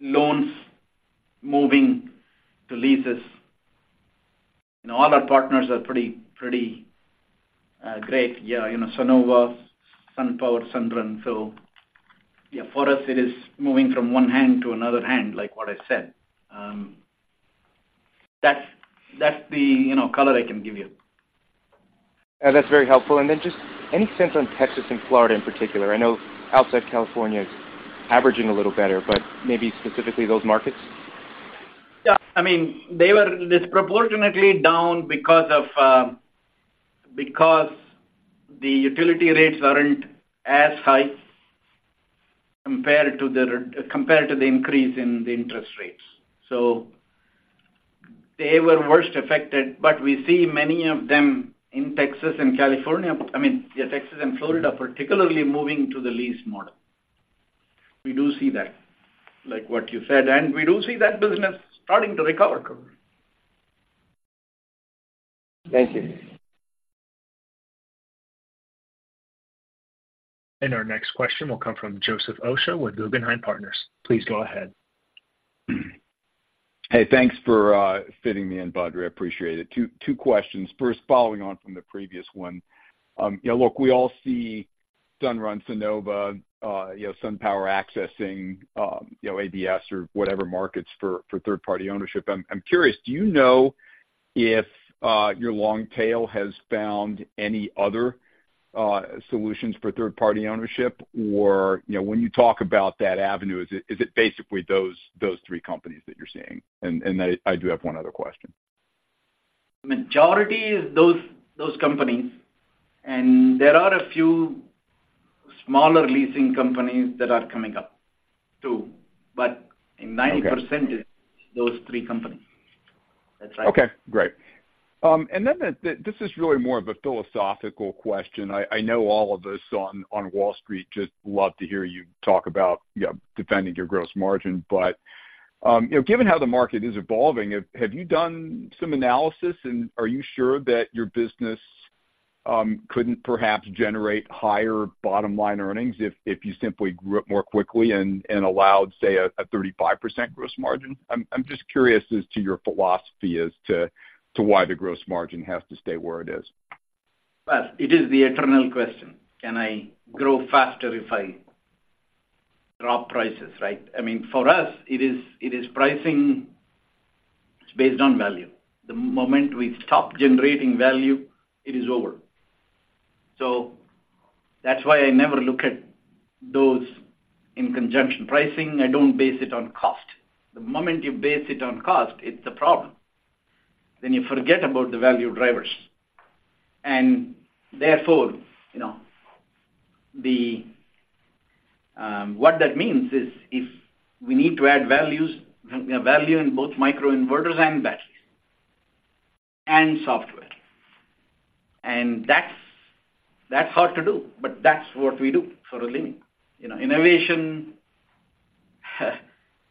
loans moving to leases. You know, all our partners are pretty, pretty great. Yeah, you know, Sunnova, SunPower, Sunrun. So yeah, for us, it is moving from one hand to another hand, like what I said. That's, that's the, you know, color I can give you. Yeah, that's very helpful. And then just any sense on Texas and Florida in particular? I know outside California is averaging a little better, but maybe specifically those markets. Yeah, I mean, they were disproportionately down because of, because the utility rates aren't as high compared to the, compared to the increase in the interest rates. So they were worst affected, but we see many of them in Texas and California, I mean, yeah, Texas and Florida, particularly moving to the lease model. We do see that, like what you said, and we do see that business starting to recover. Thank you. Our next question will come from Joseph Osha with Guggenheim Partners. Please go ahead. Hey, thanks for fitting me in, Badri. I appreciate it. Two questions. First, following on from the previous one, yeah, look, we all see Sunrun, Sunnova, you know, SunPower accessing, you know, ABS or whatever markets for, for third-party ownership. I'm curious, do you know if your long tail has found any other solutions for third-party ownership? Or, you know, when you talk about that avenue, is it basically those three companies that you're seeing? And I do have one other question. Majority is those, those companies, and there are a few smaller leasing companies that are coming up, too. Okay. But in 90%, is those three companies. That's right. Okay, great. And then this is really more of a philosophical question. I know all of us on Wall Street just love to hear you talk about, you know, defending your gross margin. But you know, given how the market is evolving, have you done some analysis, and are you sure that your business couldn't perhaps generate higher bottom line earnings if you simply grew it more quickly and allowed, say, a 35% gross margin? I'm just curious as to your philosophy as to why the gross margin has to stay where it is. Well, it is the eternal question: Can I grow faster if I drop prices, right? I mean, for us, it is pricing. It's based on value. The moment we stop generating value, it is over. So that's why I never look at those in conjunction. Pricing, I don't base it on cost. The moment you base it on cost, it's a problem. Then you forget about the value drivers, and therefore, you know, what that means is we need to add value in both microinverters and batteries and software. And that's hard to do, but that's what we do for a living. You know, innovation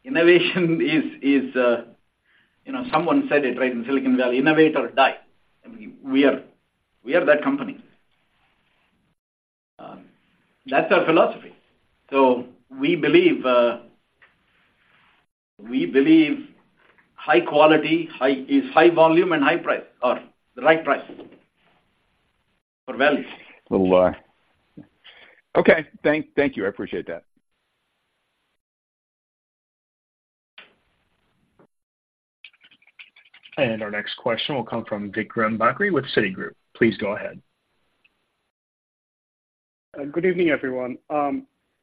is you know, someone said it right in Silicon Valley, "Innovate or die." I mean, we are that company. That's our philosophy. So we believe high quality is high volume and high price or the right price, or value. Well, okay, thank you. I appreciate that. Our next question will come from Vikram Bagri with Citigroup. Please go ahead. Good evening, everyone.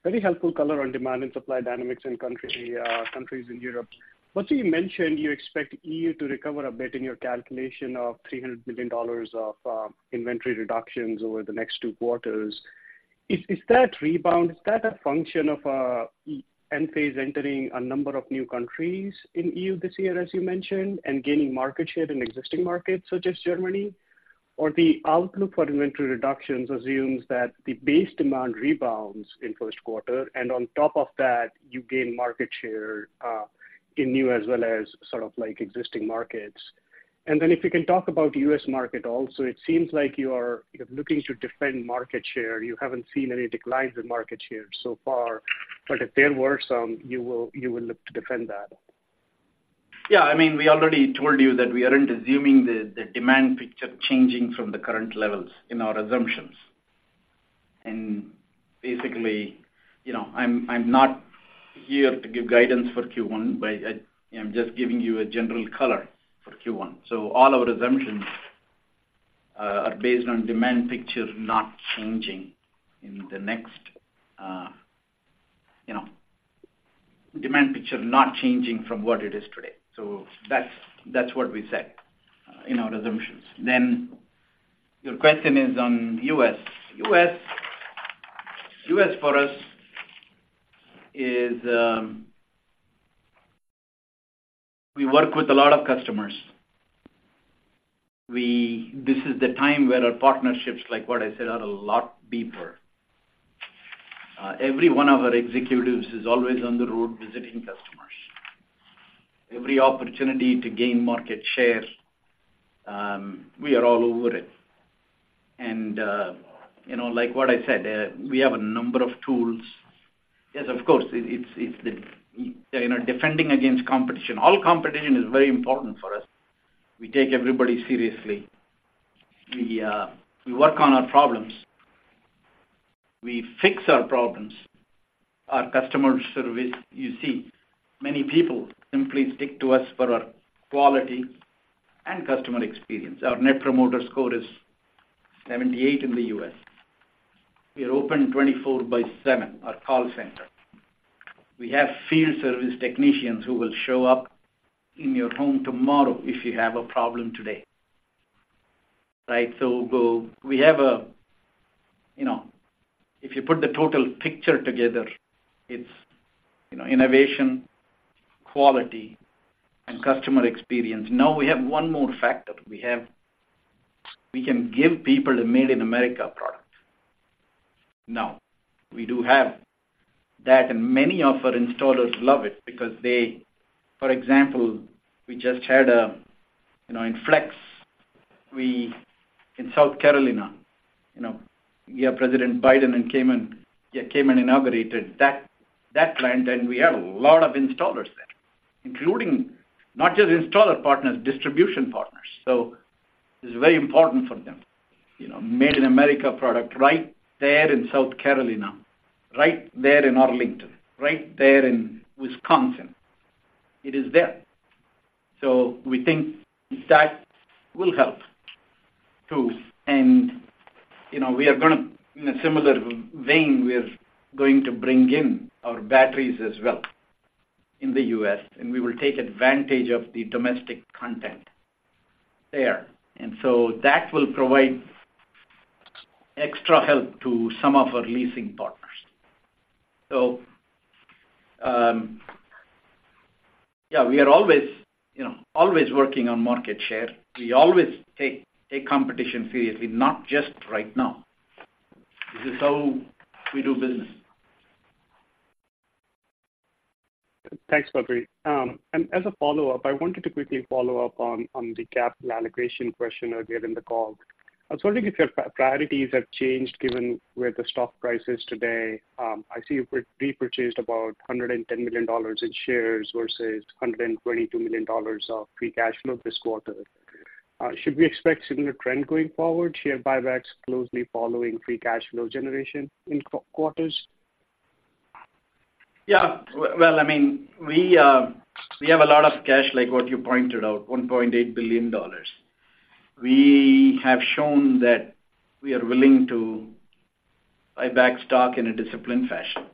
Very helpful color on demand and supply dynamics in countries in Europe. What you mentioned, you expect EU to recover a bit in your calculation of $300 million of inventory reductions over the next two quarters. Is that rebound, is that a function of Enphase entering a number of new countries in EU this year, as you mentioned, and gaining market share in existing markets such as Germany? Or the outlook for inventory reductions assumes that the base demand rebounds in Q1, and on top of that, you gain market share in new as well as sort of like existing markets. And then if you can talk about the U.S. market also, it seems like you are looking to defend market share. You haven't seen any declines in market share so far, but if there were some, you will, you will look to defend that. Yeah, I mean, we already told you that we aren't assuming the demand picture changing from the current levels in our assumptions. And basically, you know, I'm not here to give guidance for Q1, but I'm just giving you a general color for Q1. So all our assumptions are based on demand picture not changing in the next, you know, demand picture not changing from what it is today. So that's what we said in our assumptions. Then your question is on U.S. U.S. for us is, we work with a lot of customers. We this is the time where our partnerships, like what I said, are a lot deeper. Every one of our executives is always on the road visiting customers. Every opportunity to gain market share, we are all over it. You know, like what I said, we have a number of tools. Yes, of course, it's the, you know, defending against competition. All competition is very important for us. We take everybody seriously. We work on our problems. We fix our problems, our customer service. You see, many people simply stick to us for our quality and customer experience. Our net promoter score is 78 in the U.S.. We are open 24/7, our call center. We have field service technicians who will show up in your home tomorrow if you have a problem today, right? So we have, you know, if you put the total picture together, it's, you know, innovation, quality, and customer experience. Now, we have one more factor. We have, we can give people the Made in America product. Now, we do have that, and many of our installers love it because they, for example, we just had a, you know, in Flex, we, in South Carolina, you know, we have President Biden came and inaugurated that, that plant, and we have a lot of installers there, including not just installer partners, distribution partners. So this is very important for them. You know, Made in America product, right there in South Carolina, right there in Arlington, right there in Wisconsin. It is there. So we think that will help, too. And, you know, we are gonna, in a similar vein, we are going to bring in our batteries as well in the U.S., and we will take advantage of the domestic content there. And so that will provide extra help to some of our leasing partners. So, yeah, we are always, you know, always working on market share. We always take competition seriously, not just right now. This is how we do business. Thanks, Badri. And as a follow-up, I wanted to quickly follow up on the capital allocation question earlier in the call. I was wondering if your priorities have changed given where the stock price is today. I see you repurchased about $110 million in shares versus $122 million of free cash flow this quarter. Should we expect a similar trend going forward, share buybacks closely following free cash flow generation in quarters? Yeah. Well, I mean, we have a lot of cash, like what you pointed out, $1.8 billion. We have shown that we are willing to buy back stock in a disciplined fashion.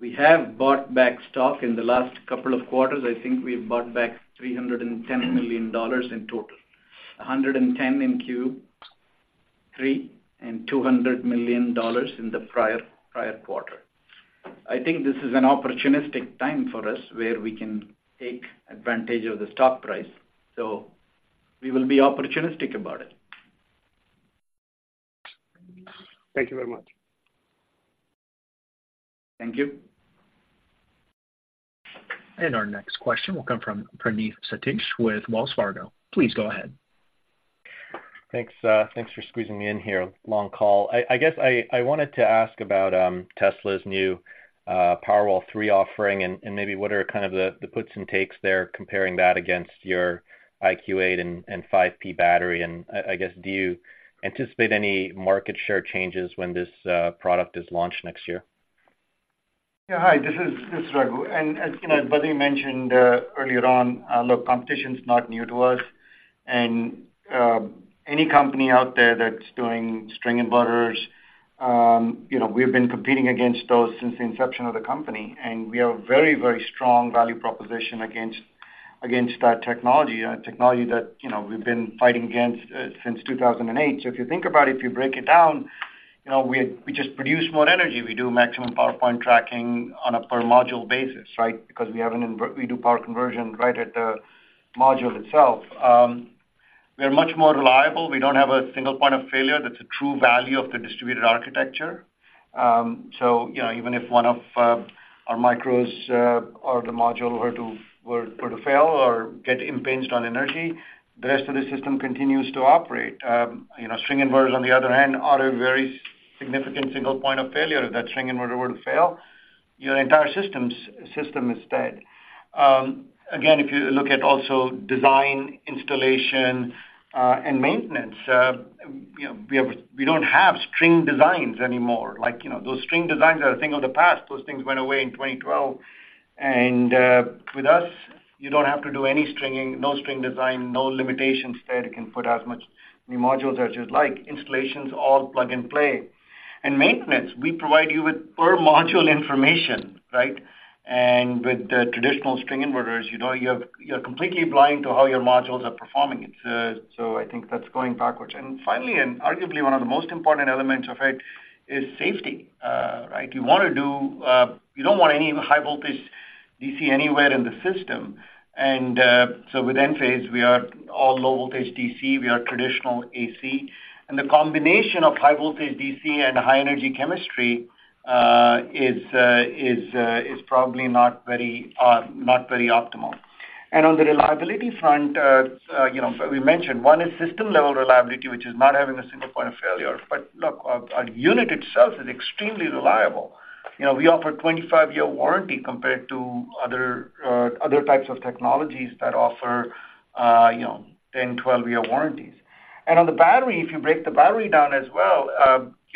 We have bought back stock in the last couple of quarters. I think we've bought back $310 million in total. $110 million in Q3, and $200 million in the prior, prior quarter. I think this is an opportunistic time for us, where we can take advantage of the stock price, so we will be opportunistic about it. Thank you very much. Thank you. Our next question will come from Praneeth Satish with Wells Fargo. Please go ahead. Thanks, thanks for squeezing me in here. Long call. I guess I wanted to ask about Tesla's new Powerwall 3 offering and maybe what are kind of the puts and takes there, comparing that against your IQ8 and 5P battery. And I guess, do you anticipate any market share changes when this product is launched next year? Yeah. Hi, this is Raghu. As you know, Badri mentioned earlier on, look, competition's not new to us. Any company out there that's doing string inverters, you know, we've been competing against those since the inception of the company, and we have a very, very strong value proposition against our technology. Technology that, you know, we've been fighting against since 2008. If you think about it, if you break it down, you know, we just produce more energy. We do maximum power point tracking on a per module basis, right? Because we have an inver- we do power conversion right at the module itself. We are much more reliable. We don't have a single point of failure. That's a true value of the distributed architecture. So you know, even if one of our micros or the module were to fail or get impinged on energy, the rest of the system continues to operate. You know, string inverters, on the other hand, are a very significant single point of failure. If that string inverter were to fail, your entire system is dead. Again, if you look at also design, installation, and maintenance, you know, we don't have string designs anymore. Like, you know, those string designs are a thing of the past. Those things went away in 2012. And with us, you don't have to do any stringing, no string design, no limitations there. You can put as much new modules as you'd like. Installations, all plug-and-play. And maintenance, we provide you with per module information, right? With the traditional string inverters, you know, you're completely blind to how your modules are performing. It's. So I think that's going backwards. And finally, and arguably one of the most important elements of it, is safety. Right? You don't want any high voltage DC anywhere in the system. And so with Enphase, we are all low voltage DC, we are traditional AC. And the combination of high voltage DC and high energy chemistry is probably not very, not very optimal. And on the reliability front, you know, we mentioned, one is system-level reliability, which is not having a single point of failure. But look, our unit itself is extremely reliable. You know, we offer 25-year warranty compared to other other types of technologies that offer, you know, 10, 12-year warranties. And on the battery, if you break the battery down as well,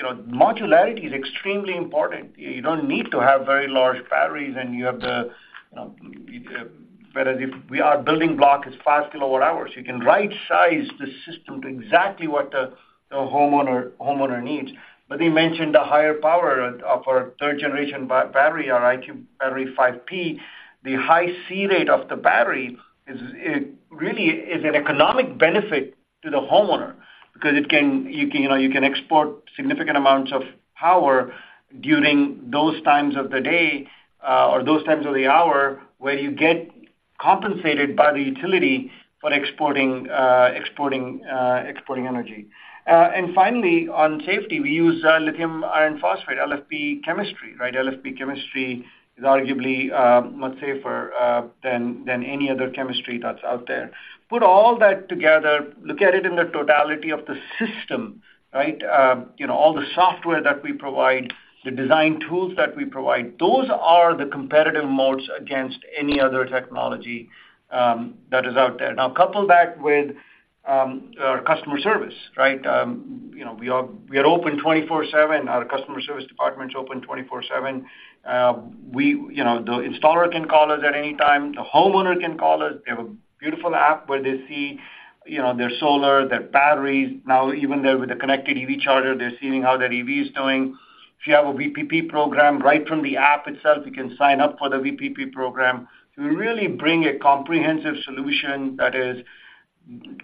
you know, modularity is extremely important. You don't need to have very large batteries, and you have the, you know, whereas if we are building block, it's 5 kWh. You can right size the system to exactly what the homeowner needs. But we mentioned the higher power of our third-generation battery, our IQ Battery 5P. The high C rate of the battery is; it really is an economic benefit to the homeowner because it can, you can, you know, you can export significant amounts of power during those times of the day, or those times of the hour, where you get compensated by the utility for exporting energy. And finally, on safety, we use lithium iron phosphate, LFP chemistry, right? LFP chemistry is arguably much safer than any other chemistry that's out there. Put all that together, look at it in the totality of the system, right? You know, all the software that we provide, the design tools that we provide, those are the competitive moats against any other technology that is out there. Now, couple that with our customer service, right? You know, we are. We are open 24/7. Our customer service department is open 24/7. We, you know, the installer can call us at any time. The homeowner can call us. We have a beautiful app where they see, you know, their solar, their batteries. Now, even there with a connected EV charger, they're seeing how their EV is doing. If you have a VPP program, right from the app itself, you can sign up for the VPP program. So we really bring a comprehensive solution that is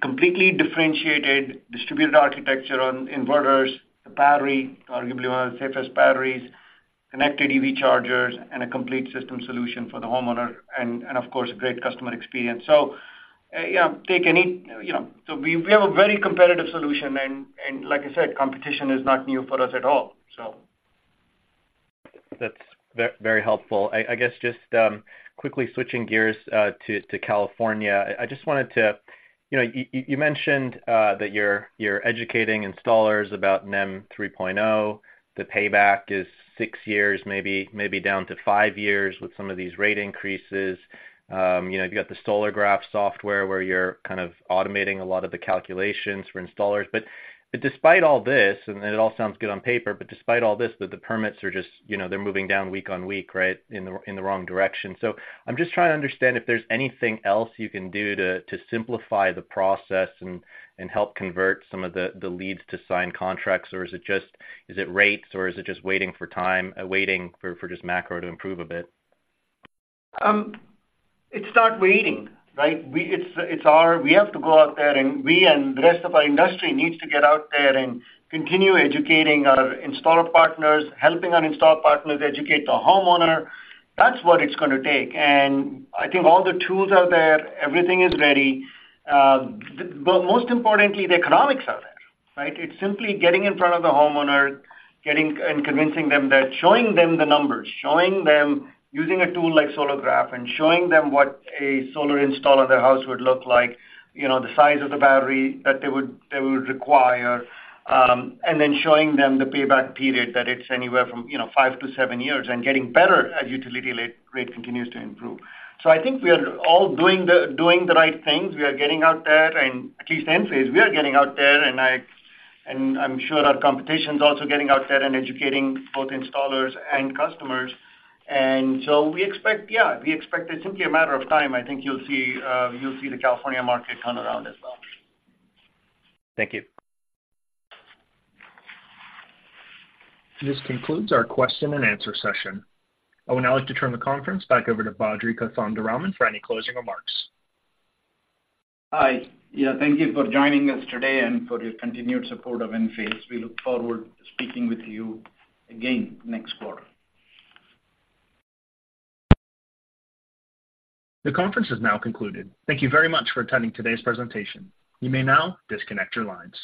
completely differentiated, distributed architecture on inverters, the battery, arguably one of the safest batteries, connected EV chargers, and a complete system solution for the homeowner, and, and of course, a great customer experience. So, yeah, take any, you know. So we, we have a very competitive solution, and, and like I said, competition is not new for us at all, so. That's very helpful. I guess just quickly switching gears to California. I just wanted to... You know, you mentioned that you're educating installers about NEM 3.0. The payback is six years, maybe down to five years with some of these rate increases. You know, you got the Solagraf software, where you're kind of automating a lot of the calculations for installers. But despite all this, and it all sounds good on paper, but despite all this, the permits are just, you know, they're moving down week on week, right? In the wrong direction. I'm just trying to understand if there's anything else you can do to simplify the process and help convert some of the leads to signed contracts, or is it just rates, or is it just waiting for time, waiting for just macro to improve a bit? It's not waiting, right? It's our. We have to go out there, and the rest of our industry needs to get out there and continue educating our installer partners, helping our installer partners educate the homeowner. That's what it's gonna take, and I think all the tools are there, everything is ready. But most importantly, the economics are there, right? It's simply getting in front of the homeowner, getting and convincing them that showing them the numbers, showing them using a tool like Solagraf, and showing them what a solar install on their house would look like, you know, the size of the battery that they would require. And then showing them the payback period, that it's anywhere from, you know, five to seven years and getting better as utility rate continues to improve. So I think we are all doing the right things. We are getting out there, and at least Enphase, we are getting out there, and I, and I'm sure our competition is also getting out there and educating both installers and customers. And so we expect, yeah, we expect it's simply a matter of time. I think you'll see, you'll see the California market turn around as well. Thank you. This concludes our Q&A session. I would now like to turn the conference back over to Badri Kothandaraman for any closing remarks. Hi. Yeah, thank you for joining us today and for your continued support of Enphase. We look forward to speaking with you again next quarter. The conference is now concluded. Thank you very much for attending today's presentation. You may now disconnect your lines.